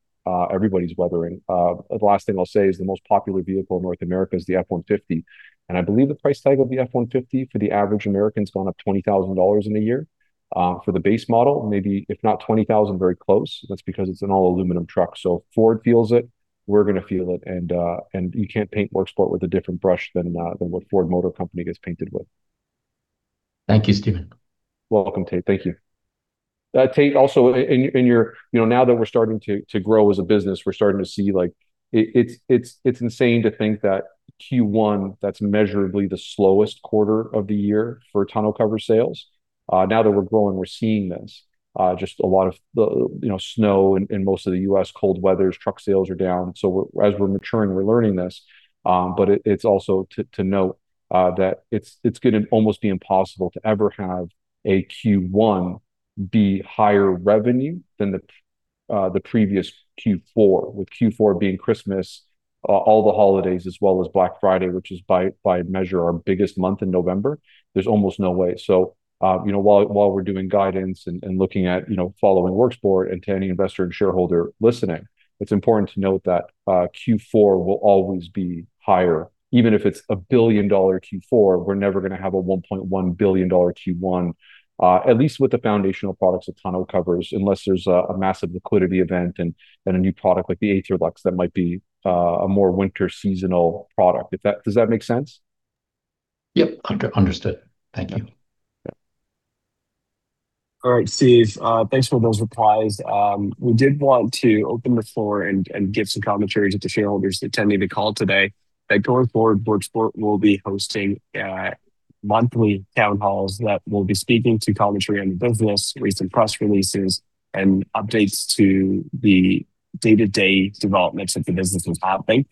everybody's weathering. The last thing I'll say is the most popular vehicle in North America is the F-150. I believe the price tag of the F-150 for the average American's gone up $20,000 in a year. For the base model, maybe if not $20,000, very close. That's because it's an all aluminum truck. Ford feels it, we're gonna feel it, and you can't paint Worksport with a different brush than what Ford Motor Company gets painted with. Thank you, Steven. Welcome, Tate. Thank you. Tate, also, now that we're starting to grow as a business, we're starting to see, like, it's insane to think that Q1, that's measurably the slowest quarter of the year for tonneau cover sales. Now that we're growing, we're seeing this, just a lot of the, you know, snow in most of the U.S., cold weathers, truck sales are down. We're, as we're maturing, we're learning this. It's also to note that it's gonna almost be impossible to ever have a Q1 be higher revenue than the previous Q4, with Q4 being Christmas, all the holidays, as well as Black Friday, which is by measure our biggest month in November. There's almost no way. You know, while we're doing guidance and looking at, you know, following Worksport and to any investor and shareholder listening, it's important to note that Q4 will always be higher. Even if it's a billion-dollar Q4, we're never gonna have a $1.1 billion Q1, at least with the foundational products of tonneau covers, unless there's a massive liquidity event and a new product like the Aetherlux that might be a more winter seasonal product. Does that make sense? Yep. Understood. Thank you. Yeah. All right, Steve, thanks for those replies. We did want to open the floor and give some commentary to the shareholders attending the call today that going forward Worksport will be hosting monthly town halls that will be speaking to commentary on the business, recent press releases, and updates to the day-to-day developments that the business is having.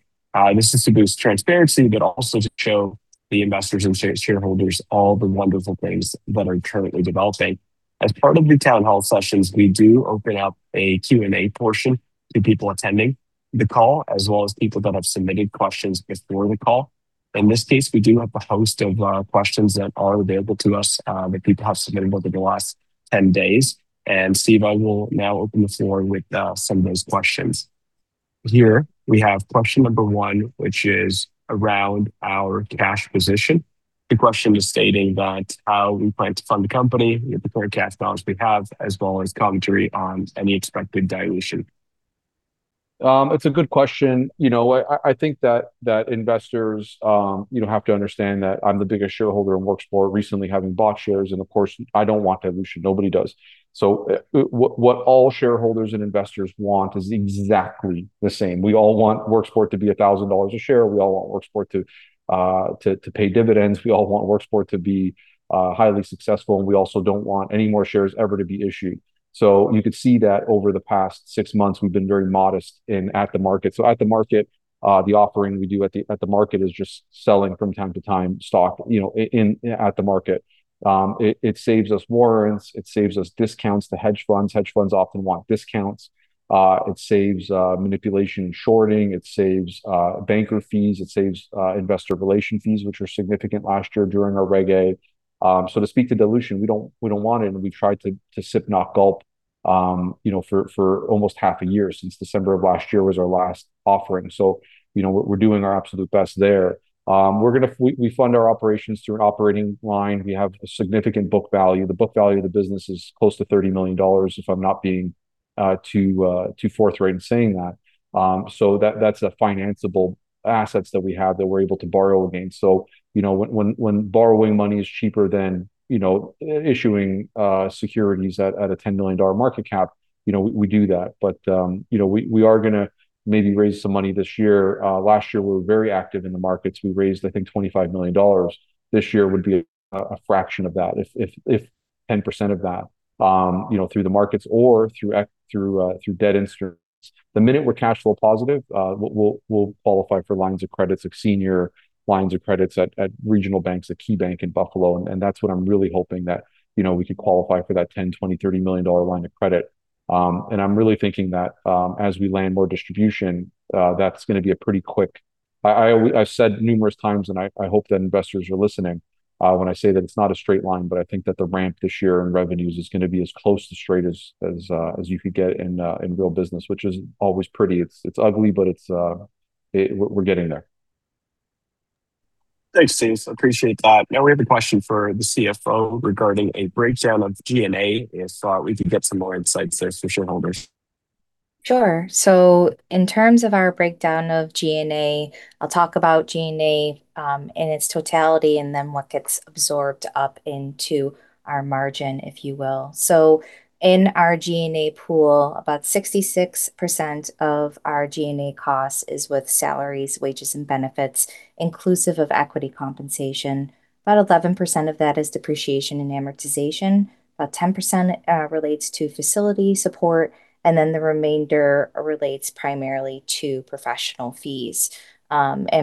This is to boost transparency, also to show the investors and shareholders all the wonderful things that are currently developing. As part of the town hall sessions, we do open up a Q&A portion to people attending the call, as well as people that have submitted questions before the call. In this case, we do have a host of questions that are available to us, that people have submitted over the last 10 days. Steve, I will now open the floor with some of those questions. Here we have question number one, which is around our cash position. The question is stating that how we plan to fund the company with the current cash balance we have, as well as commentary on any expected dilution. It's a good question. You know what? I think that investors have to understand that I'm the biggest shareholder in Worksport recently having bought shares and of course, I don't want dilution. Nobody does. What all shareholders and investors want is exactly the same. We all want Worksport to be $1,000 a share, we all want Worksport to pay dividends, we all want Worksport to be highly successful, and we also don't want any more shares ever to be issued. You could see that over the past six months, we've been very modest in, at the market. At the market, the offering we do at the market is just selling from time to time stock, you know, in, at the market. It saves us warrants, it saves us discounts to hedge funds. Hedge funds often want discounts. It saves manipulation and shorting. It saves banker fees. It saves investor relation fees, which were significant last year during our Regulation A. To speak to dilution, we don't want it, and we try to sip, not gulp, for almost half a year, since December of last year was our last offering. You know, we're doing our absolute best there. We fund our operations through an operating line. We have a significant book value. The book value of the business is close to $30 million, if I'm not being too forthright in saying that. That's the financeable assets that we have that we're able to borrow against. You know, when borrowing money is cheaper than, you know, issuing securities at a $10 million market cap, you know, we do that. You know, we are gonna maybe raise some money this year. Last year we were very active in the markets. We raised, I think, $25 million. This year would be a fraction of that if 10% of that, you know, through the markets or through debt instruments. The minute we're cash flow positive, we'll qualify for lines of credits, like senior lines of credits at regional banks, at KeyBank in Buffalo, and that's what I'm really hoping that, you know, we could qualify for that $10, $20, $30 million line of credit. I'm really thinking that as we land more distribution, I've said numerous times, and I hope that investors are listening, when I say that it's not a straight line, but I think that the ramp this year in revenues is gonna be as close to straight as you could get in real business, which is always pretty. It's ugly, but We're getting there. Thanks, Steve. Appreciate that. Now we have a question for the CFO regarding a breakdown of G&A, if we could get some more insights there for shareholders. Sure. In terms of our breakdown of G&A, I'll talk about G&A in its totality and then what gets absorbed up into our margin, if you will. In our G&A pool, about 66% of our G&A costs is with salaries, wages, and benefits, inclusive of equity compensation. About 11% of that is depreciation and amortization. About 10% relates to facility support, and then the remainder relates primarily to professional fees.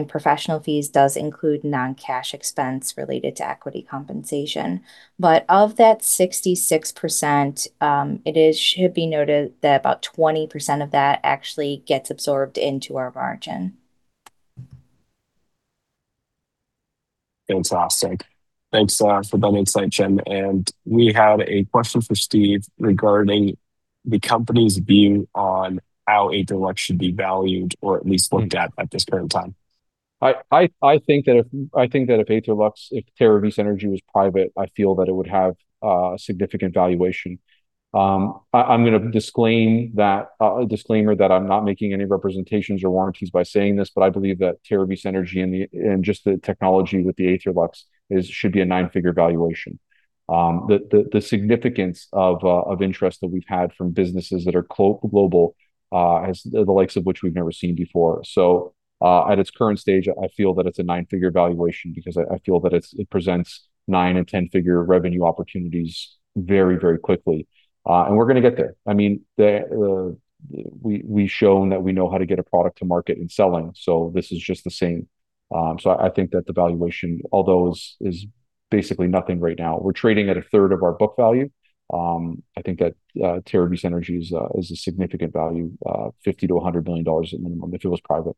Professional fees does include non-cash expense related to equity compensation. Of that 66%, it should be noted that about 20% of that actually gets absorbed into our margin. Fantastic. Thanks, for that insight, Jen. We have a question for Steve regarding the company's view on how Aetherlux should be valued or at least looked at at this current time. I think that if Aetherlux, if Terravis Energy was private, I feel that it would have significant valuation. I'm gonna disclaim that a disclaimer that I'm not making any representations or warranties by saying this, but I believe that Terravis Energy and just the technology with the Aetherlux is, should be a nine-figure valuation. The significance of interest that we've had from businesses that are global, the likes of which we've never seen before. At its current stage, I feel that it's a nine-figure valuation because I feel that it presents nine and 10-figure revenue opportunities very, very quickly. We're gonna get there. We've shown that we know how to get a product to market and selling, so this is just the same. I think that the valuation, although is basically nothing right now. We're trading at a third of our book value. I think that Terravis Energy is a significant value, $50 million-$100 million at minimum if it was private.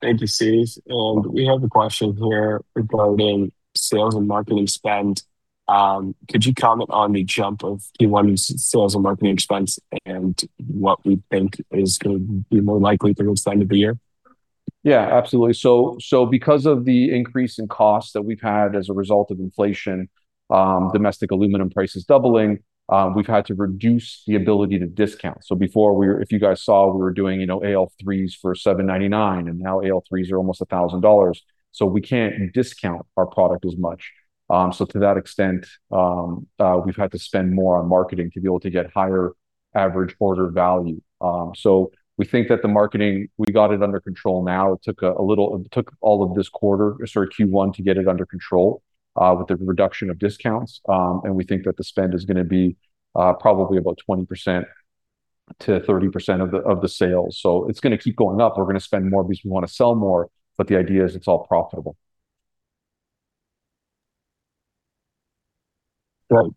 Thank you, Steve. We have a question here regarding sales and marketing spend. Could you comment on the jump of Q1's sales and marketing expense and what we think is gonna be more likely through this time of the year? Yeah, absolutely. Because of the increase in cost that we've had as a result of inflation, domestic aluminum prices doubling, we've had to reduce the ability to discount. Before you guys saw, we were doing, AL3s for $799, and now AL3s are almost $1,000. We can't discount our product as much. To that extent, we've had to spend more on marketing to be able to get higher average order value. We think that the marketing, we got it under control now. It took all of this quarter, sorry, Q1 to get it under control with the reduction of discounts. We think that the spend is gonna be probably about 20%-30% of the sales. It's gonna keep going up. We're gonna spend more because we wanna sell more, but the idea is it's all profitable. Great.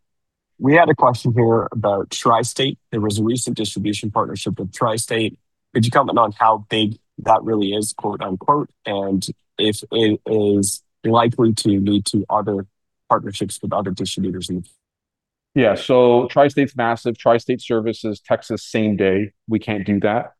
We had a question here about Tri-State. There was a recent distribution partnership with Tri-State. Could you comment on how big that really is, quote-unquote, and if it is likely to lead to other partnerships with other distributors? Yeah. Tri-State's massive. Tri-State services Texas same day. We can't do that.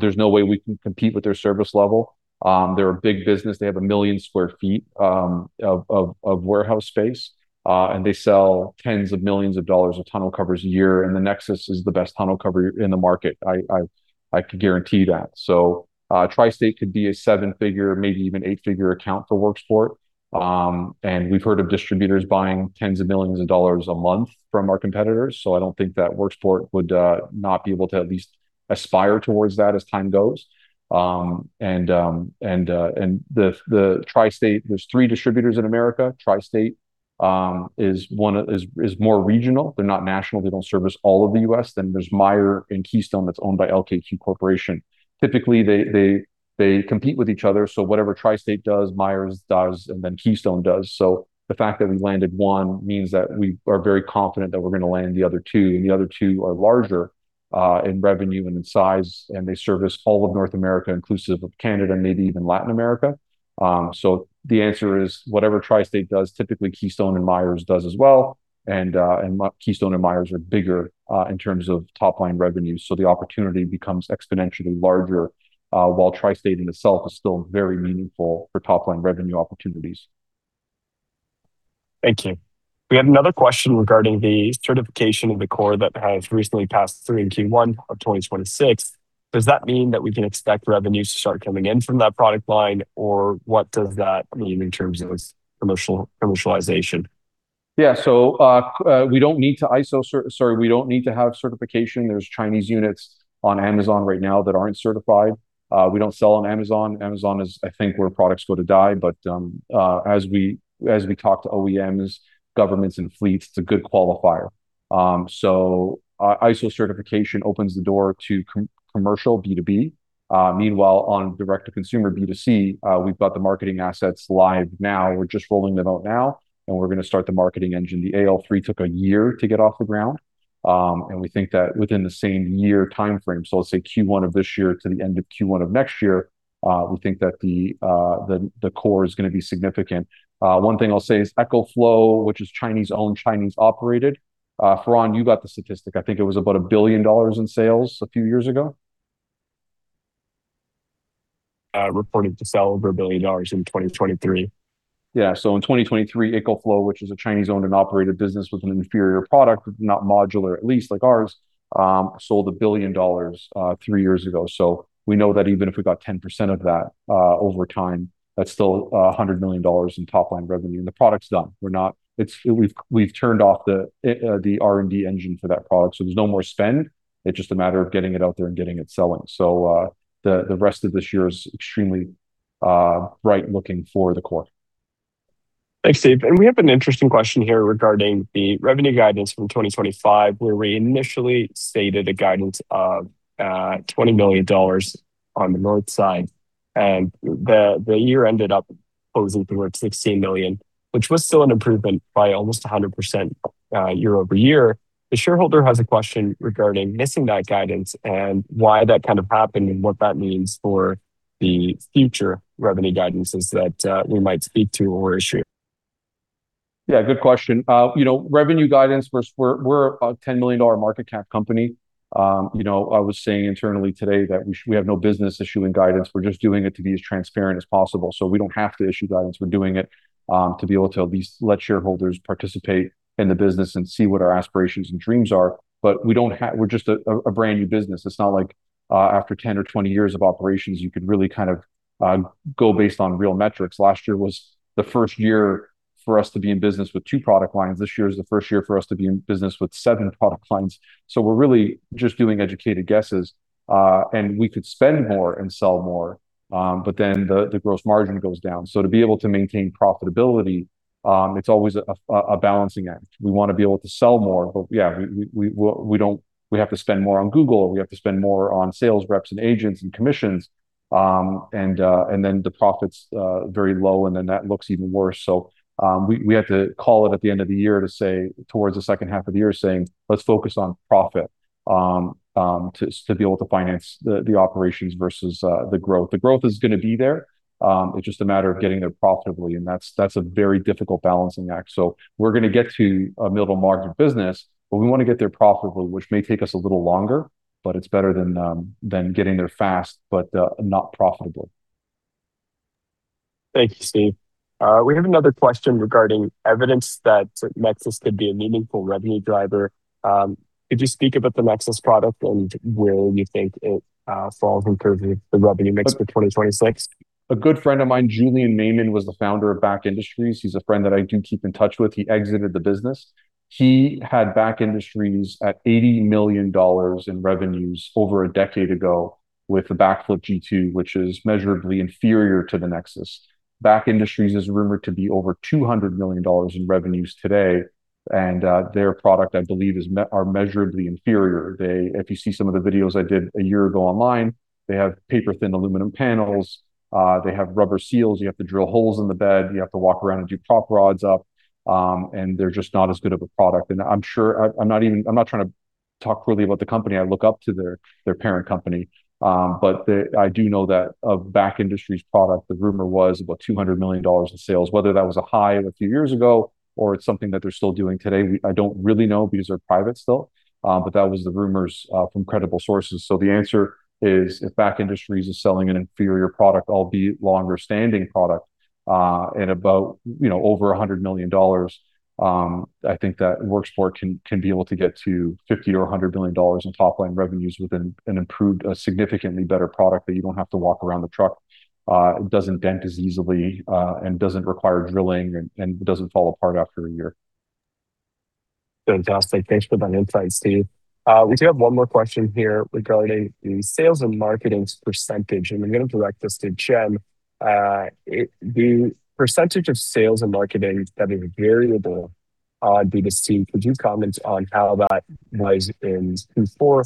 There's no way we can compete with their service level. They're a big business. They have 1 million sq ft of warehouse space. They sell tens of millions of dollars of tonneau covers a year, and the NEXUS is the best tonneau cover in the market. I can guarantee that. Tri-State could be a seven-figure, maybe even eight-figure account for Worksport. We've heard of distributors buying tens of millions of dollars a month from our competitors, so I don't think that Worksport would not be able to at least aspire towards that as time goes. The Tri-State, there's three distributors in America. Tri-State is one of the more regional. They're not national. They don't service all of the U.S. There's Meyer Distributing and Keystone Automotive Operations that's owned by LKQ Corporation. Typically, they compete with each other. Whatever Tri-State Enterprises does, Meyer Distributing does, and Keystone Automotive Operations does. The fact that we landed one means that we are very confident that we're gonna land the other two, and the other two are larger in revenue and in size, and they service all of North America, inclusive of Canada, and maybe even Latin America. The answer is whatever Tri-State Enterprises does, typically Keystone Automotive Operations and Meyer Distributing does as well. Keystone Automotive Operations and Meyer Distributing are bigger in terms of top-line revenue. The opportunity becomes exponentially larger while Tri-State Enterprises in itself is still very meaningful for top-line revenue opportunities. Thank you. We have another question regarding the certification of the COR that has recently passed through in Q1 of 2026. Does that mean that we can expect revenues to start coming in from that product line, or what does that mean in terms of its commercialization? Yeah. Sorry, we don't need to have certification. There's Chinese units on Amazon right now that aren't certified. We don't sell on Amazon. Amazon is, I think, where products go to die. As we talk to OEMs, governments, and fleets, it's a good qualifier. ISO certification opens the door to commercial B2B. Meanwhile, on direct to consumer B2C, we've got the marketing assets live now. We're just rolling them out now, we're gonna start the marketing engine. The AL3 took a year to get off the ground. We think that within the same year timeframe, so let's say Q1 of this year to the end of Q1 of next year, we think that the core is gonna be significant. One thing I'll say is EcoFlow, which is Chinese-owned, Chinese-operated. Faron, you got the statistic. I think it was about $1 billion in sales a few years ago. reported to sell over $1 billion in 2023. In 2023, EcoFlow, which is a Chinese-owned and operated business with an inferior product, not modular, at least like ours, sold $1 billion three years ago. We know that even if we got 10% of that, over time, that's still $100 million in top-line revenue. The product's done. We've turned off the R&D engine for that product, there's no more spend. It's just a matter of getting it out there and getting it selling. The rest of this year is extremely bright looking for the core. Thanks, Steve. We have an interesting question here regarding the revenue guidance from 2025, where we initially stated a guidance of $20 million on the north side. The year ended up closing towards $16 million, which was still an improvement by almost 100% year-over-year. The shareholder has a question regarding missing that guidance and why that kind of happened and what that means for the future revenue guidances that we might speak to or issue. Yeah, good question. You know, revenue guidance, we're a $10 million market cap company. I was saying internally today that we have no business issuing guidance. We're just doing it to be as transparent as possible. We don't have to issue guidance, we're doing it to be able to at least let shareholders participate in the business and see what our aspirations and dreams are. We're just a brand new business. It's not like after 10 or 20 years of operations you could really kind of go based on real metrics. Last year was the first year for us to be in business with two product lines. This year is the first year for us to be in business with seven product lines. We're really just doing educated guesses. We could spend more and sell more, but then the gross margin goes down. To be able to maintain profitability, it's always a balancing act. We wanna be able to sell more, but yeah, we don't. We have to spend more on Google, or we have to spend more on sales reps and agents and commissions. The profit's very low, and then that looks even worse. We had to call it at the end of the year to say, towards the second half of the year saying, "Let's focus on profit," to be able to finance the operations versus the growth. The growth is gonna be there, it's just a matter of getting there profitably, and that's a very difficult balancing act. We're gonna get to a middle market business, but we wanna get there profitably, which may take us a little longer, but it's better than getting there fast, but, not profitable. Thank you, Steve. We have another question regarding evidence that NEXUS could be a meaningful revenue driver. Could you speak about the NEXUS product and where you think it falls in terms of the revenue mix for 2026? A good friend of mine, Julian Maimin, was the founder of BAK Industries. He's a friend that I do keep in touch with. He exited the business. He had BAK Industries at $80 million in revenues over a decade ago with the BAKFlip G2, which is measurably inferior to the NEXUS. BAK Industries is rumored to be over $200 million in revenues today, and their product, I believe, are measurably inferior. If you see some of the videos I did a year ago online, they have paper-thin aluminum panels, they have rubber seals. You have to drill holes in the bed, you have to walk around and do prop rods up, and they're just not as good of a product. I'm not trying to talk poorly about the company. I look up to their parent company. I do know that a BAK Industries product, the rumor was about $200 million in sales. Whether that was a high of a few years ago or it's something that they're still doing today, I don't really know because they're private still. That was the rumors from credible sources. The answer is, if BAK Industries is selling an inferior product, albeit longer-standing product, at about, over $100 million, I think that Worksport can be able to get to $50 million or $100 million in top line revenues within an improved, a significantly better product that you don't have to walk around the truck, it doesn't dent as easily, and doesn't require drilling and doesn't fall apart after a year. Fantastic. Thanks for that insight, Steve. We do have one more question here regarding the sales and marketing's percentage, and I'm gonna direct this to Jen. The percentage of sales and marketing that is variable, B2C, could you comment on how that was in Q4,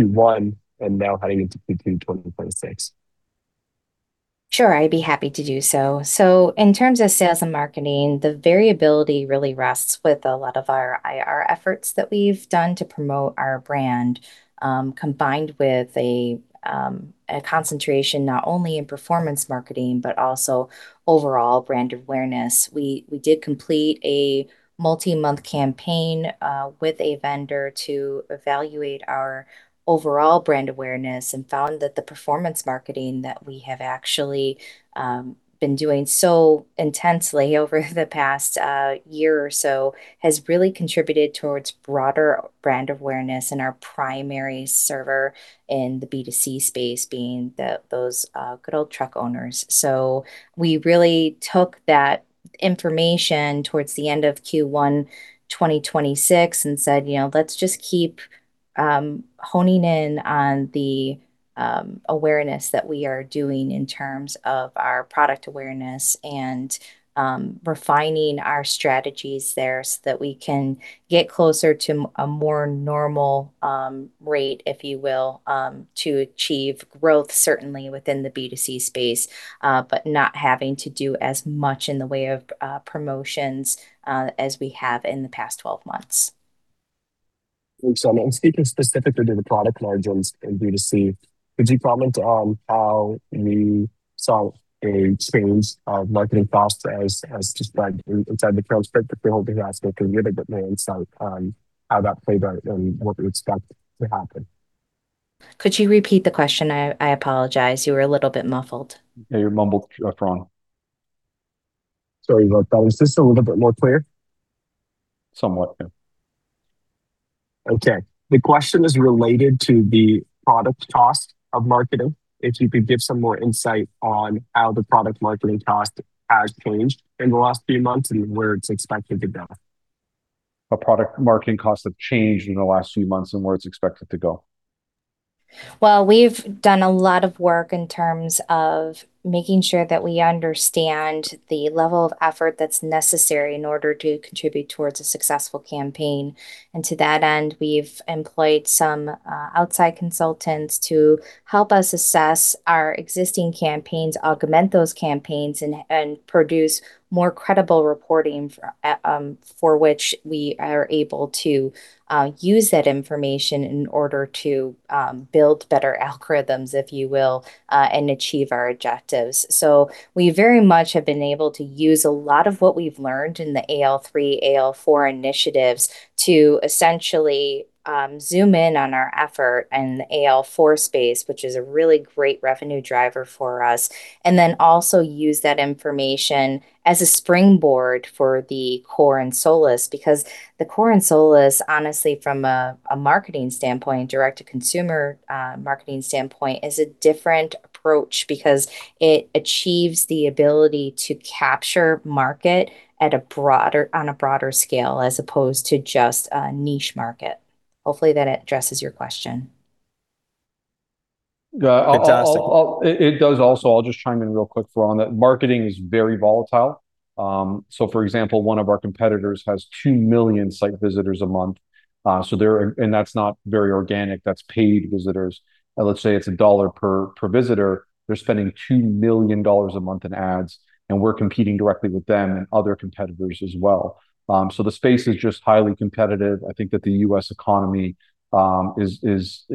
Q1, and now heading into Q2 2026? Sure, I'd be happy to do so. In terms of sales and marketing, the variability really rests with a lot of our IR efforts that we've done to promote our brand, combined with a concentration not only in performance marketing but also overall brand awareness. We did complete a multi-month campaign with a vendor to evaluate our overall brand awareness and found that the performance marketing that we have actually been doing so intensely over the past year or so has really contributed towards broader brand awareness in our primary server in the B2C space being those good old truck owners. We really took that information towards the end of Q1 2026 and said, let's just keep honing in on the awareness that we are doing in terms of our product awareness and refining our strategies there so that we can get closer to a more normal rate, if you will, to achieve growth certainly within the B2C space, but not having to do as much in the way of promotions as we have in the past 12 months. I mean, speaking specifically to the product margins in B2C, could you comment on how you saw a change of marketing costs as described inside the transcript? We're hoping to ask a little bit more insight on how that played out and what we expect to happen. Could you repeat the question? I apologize. You were a little bit muffled. Yeah, you mumbled quite strong. Sorry about that. Is this a little bit more clear? Somewhat, yeah. Okay. The question is related to the product cost of marketing. If you could give some more insight on how the product marketing cost has changed in the last few months and where it is expected to go. How product marketing costs have changed in the last few months and where it's expected to go. Well, we've done a lot of work in terms of making sure that we understand the level of effort that's necessary in order to contribute towards a successful campaign. To that end, we've employed some outside consultants to help us assess our existing campaigns, augment those campaigns, and produce more credible reporting for which we are able to use that information in order to build better algorithms, if you will, and achieve our objectives. We very much have been able to use a lot of what we've learned in the AL3, AL4 initiatives to essentially zoom in on our effort in the AL4 space, which is a really great revenue driver for us. Also use that information as a springboard for the COR and SOLIS, because the COR and SOLIS, honestly, from a marketing standpoint, direct-to-consumer marketing standpoint, is a different approach because it achieves the ability to capture market on a broader scale as opposed to just a niche market. Hopefully that addresses your question. Yeah. Fantastic it does. I'll just chime in real quick, Ron, that marketing is very volatile. For example, one of our competitors has 2 million site visitors a month. That's not very organic, that's paid visitors. Let's say it's $1 per visitor. They're spending $2 million a month in ads, we're competing directly with them and other competitors as well. The space is just highly competitive. I think that the U.S. economy is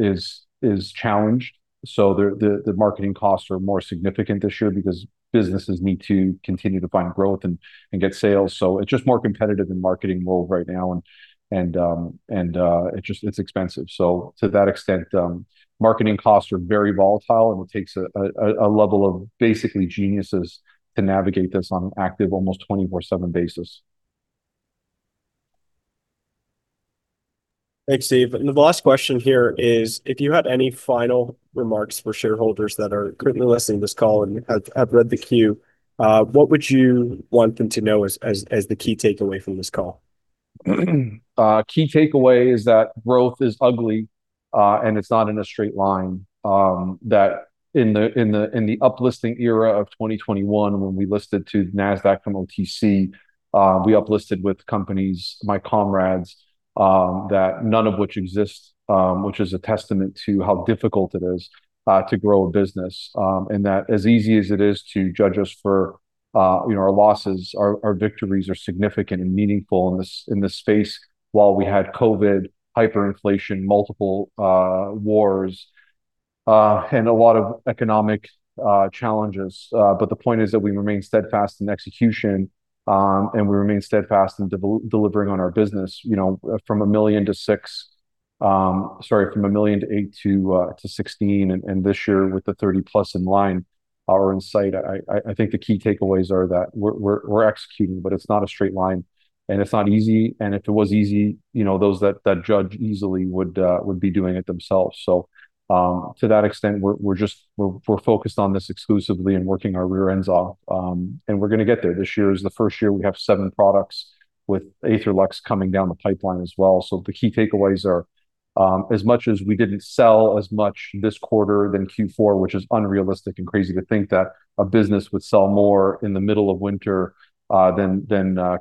challenged, the marketing costs are more significant this year because businesses need to continue to find growth and get sales. It's just more competitive and marketing more right now, it's expensive. To that extent, marketing costs are very volatile and it takes a level of basically geniuses to navigate this on an active almost 24/7 basis. Thanks, Steve. The last question here is if you had any final remarks for shareholders that are currently listening to this call and have read the Q, what would you want them to know as the key takeaway from this call? Key takeaway is that growth is ugly, and it's not in a straight line. That in the up-listing era of 2021 when we listed to NASDAQ from OTC, we up-listed with companies, my comrades, that none of which exist, which is a testament to how difficult it is, to grow a business. That as easy as it is to judge us for our losses, our victories are significant and meaningful in this space. While we had COVID, hyperinflation, multiple wars, and a lot of economic challenges. The point is that we remain steadfast in execution, and we remain steadfast in delivering on our business from $1 million to $6 million. Sorry, from $1 million to $8 million to $16 million, and this year with the $30-plus million in line are in sight. I think the key takeaways are that we're executing, but it's not a straight line, and it's not easy. If it was easy, you know, those that judge easily would be doing it themselves. To that extent, we're focused on this exclusively and working our rear ends off. We're gonna get there. This year is the first year we have seven products with Aetherlux coming down the pipeline as well. The key takeaways are, as much as we didn't sell as much this quarter than Q4, which is unrealistic and crazy to think that a business would sell more in the middle of winter than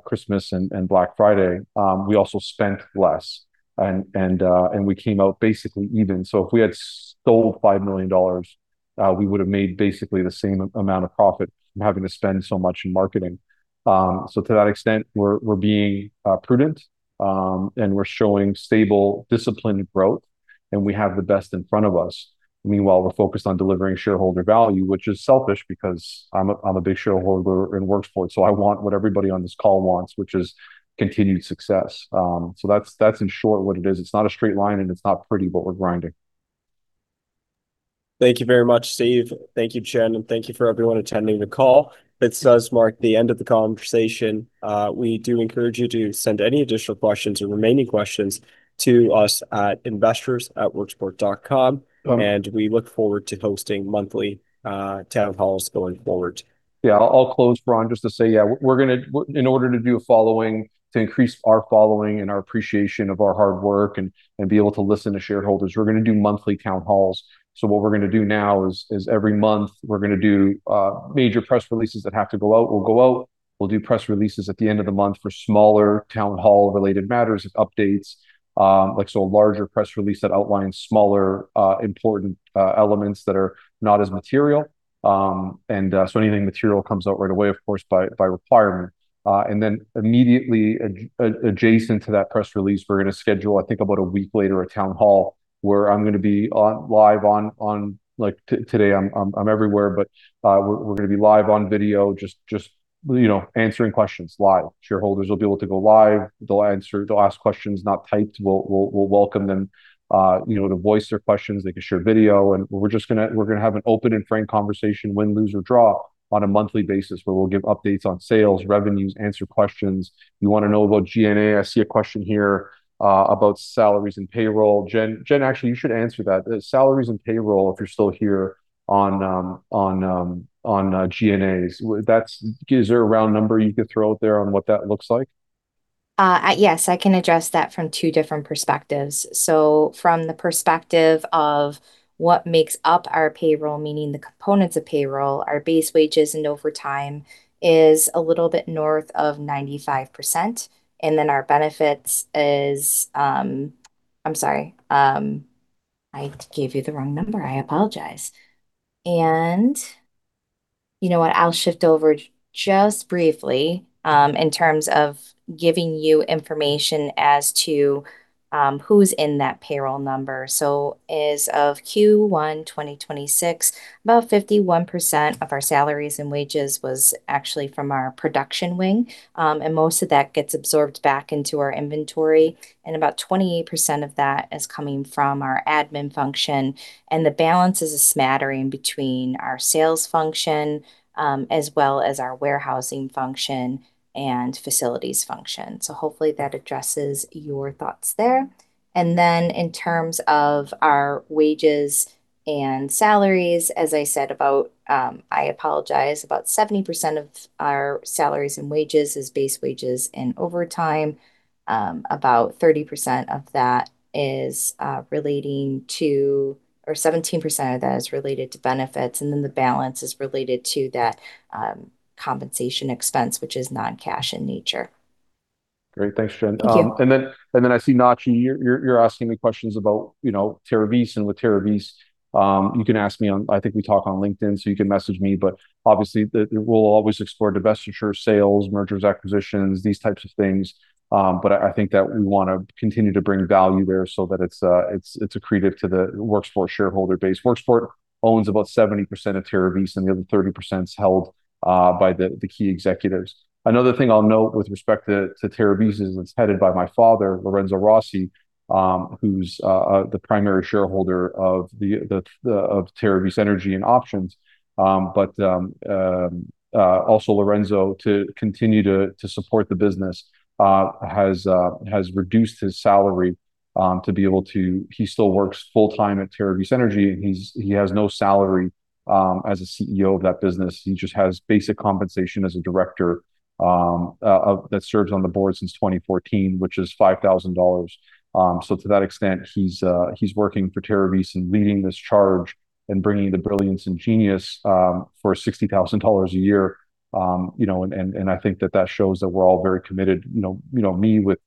Christmas and Black Friday, we also spent less and we came out basically even. If we had stole $5 million, we would have made basically the same amount of profit from having to spend so much in marketing. To that extent, we're being prudent, and we're showing stable, disciplined growth, and we have the best in front of us. Meanwhile, we're focused on delivering shareholder value, which is selfish because I'm a big shareholder in Worksport. I want what everybody on this call wants, which is continued success. That's in short what it is. It's not a straight line and it's not pretty, but we're grinding. Thank you very much, Steve. Thank you, Jen, and thank you for everyone attending the call. This does mark the end of the conversation. We do encourage you to send any additional questions or remaining questions to us at investors@worksport.com. We look forward to hosting monthly town halls going forward. I'll close, Ron, just to say, we're gonna in order to do a following, to increase our following and our appreciation of our hard work and be able to listen to shareholders, we're gonna do monthly town halls. What we're gonna do now is every month we're gonna do major press releases that have to go out will go out. We'll do press releases at the end of the month for smaller town hall-related matters and updates. like a larger press release that outlines smaller important elements that are not as material. Anything material comes out right away, of course, by requirement. Immediately adjacent to that press release, we're going to schedule, I think about a week later, a town hall where I'm going to be live on video, just answering questions live. Shareholders will be able to go live. They'll ask questions, not typed. We'll welcome them, you know, to voice their questions. They can share video and we're going to have an open and frank conversation, win, lose, or draw on a monthly basis where we'll give updates on sales, revenues, answer questions. You want to know about G&A. I see a question here about salaries and payroll. Jen, actually, you should answer that. The salaries and payroll, if you're still here, on G&A. Is there a round number you could throw out there on what that looks like? Yes, I can address that from two different perspectives. From the perspective of what makes up our payroll, meaning the components of payroll, our base wages and overtime is a little bit north of 95%. Our benefits is, I'm sorry, I gave you the wrong number. I apologize. You know what? I'll shift over just briefly, in terms of giving you information as to, who's in that payroll number. As of Q1 2026, about 51% of our salaries and wages was actually from our production wing. Most of that gets absorbed back into our inventory, and about 28% of that is coming from our admin function, and the balance is a smattering between our sales function, as well as our warehousing function and facilities function. Hopefully that addresses your thoughts there. In terms of our wages and salaries, as I said about I apologise, about 70% of our salaries and wages is base wages and overtime. 17% of that is related to benefits, and then the balance is related to that compensation expense, which is non-cash in nature. Great. Thanks, Jen. Thank you. I see Nachi, asking me questions about, you know, Terravis and with Terravis. You can ask me on. I think we talk on LinkedIn, so you can message me. Obviously, we'll always explore divestiture, sales, mergers, acquisitions, these types of things. I think that we wanna continue to bring value there so that it's accretive to the Worksport shareholder base. Worksport owns about 70% of Terravis and the other 30%'s held by the key executives. Another thing I'll note with respect to Terravis is it's headed by my father, Lorenzo Rossi, who's the primary shareholder of Terravis Energy and Options. Also Lorenzo to continue to support the business, has reduced his salary. He still works full-time at Terravis Energy. He has no salary, as a CEO of that business. He just has basic compensation as a director that serves on the board since 2014, which is $5,000. To that extent, he's working for Terravis and leading this charge and bringing the brilliance and genius for $60,000 a year. You know, I think that that shows that we're all very committed. You know me with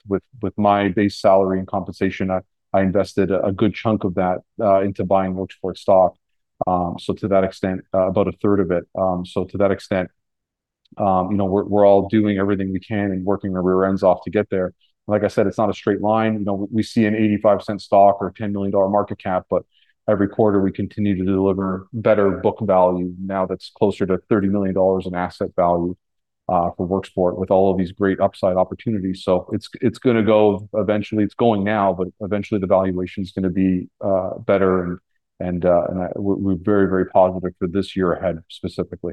my base salary and compensation, I invested a good chunk of that into buying Worksport stock. To that extent, about a third of it. To that extent, you know, we're all doing everything we can and working our rear ends off to get there. Like I said, it's not a straight line. You know, we see an $0.85 stock or a $10 million market cap, but every quarter we continue to deliver better book value. Now that's closer to $30 million in asset value for Worksport with all of these great upside opportunities. It's gonna go Eventually, it's going now, but eventually the valuation's gonna be better and we're very, very positive for this year ahead specifically.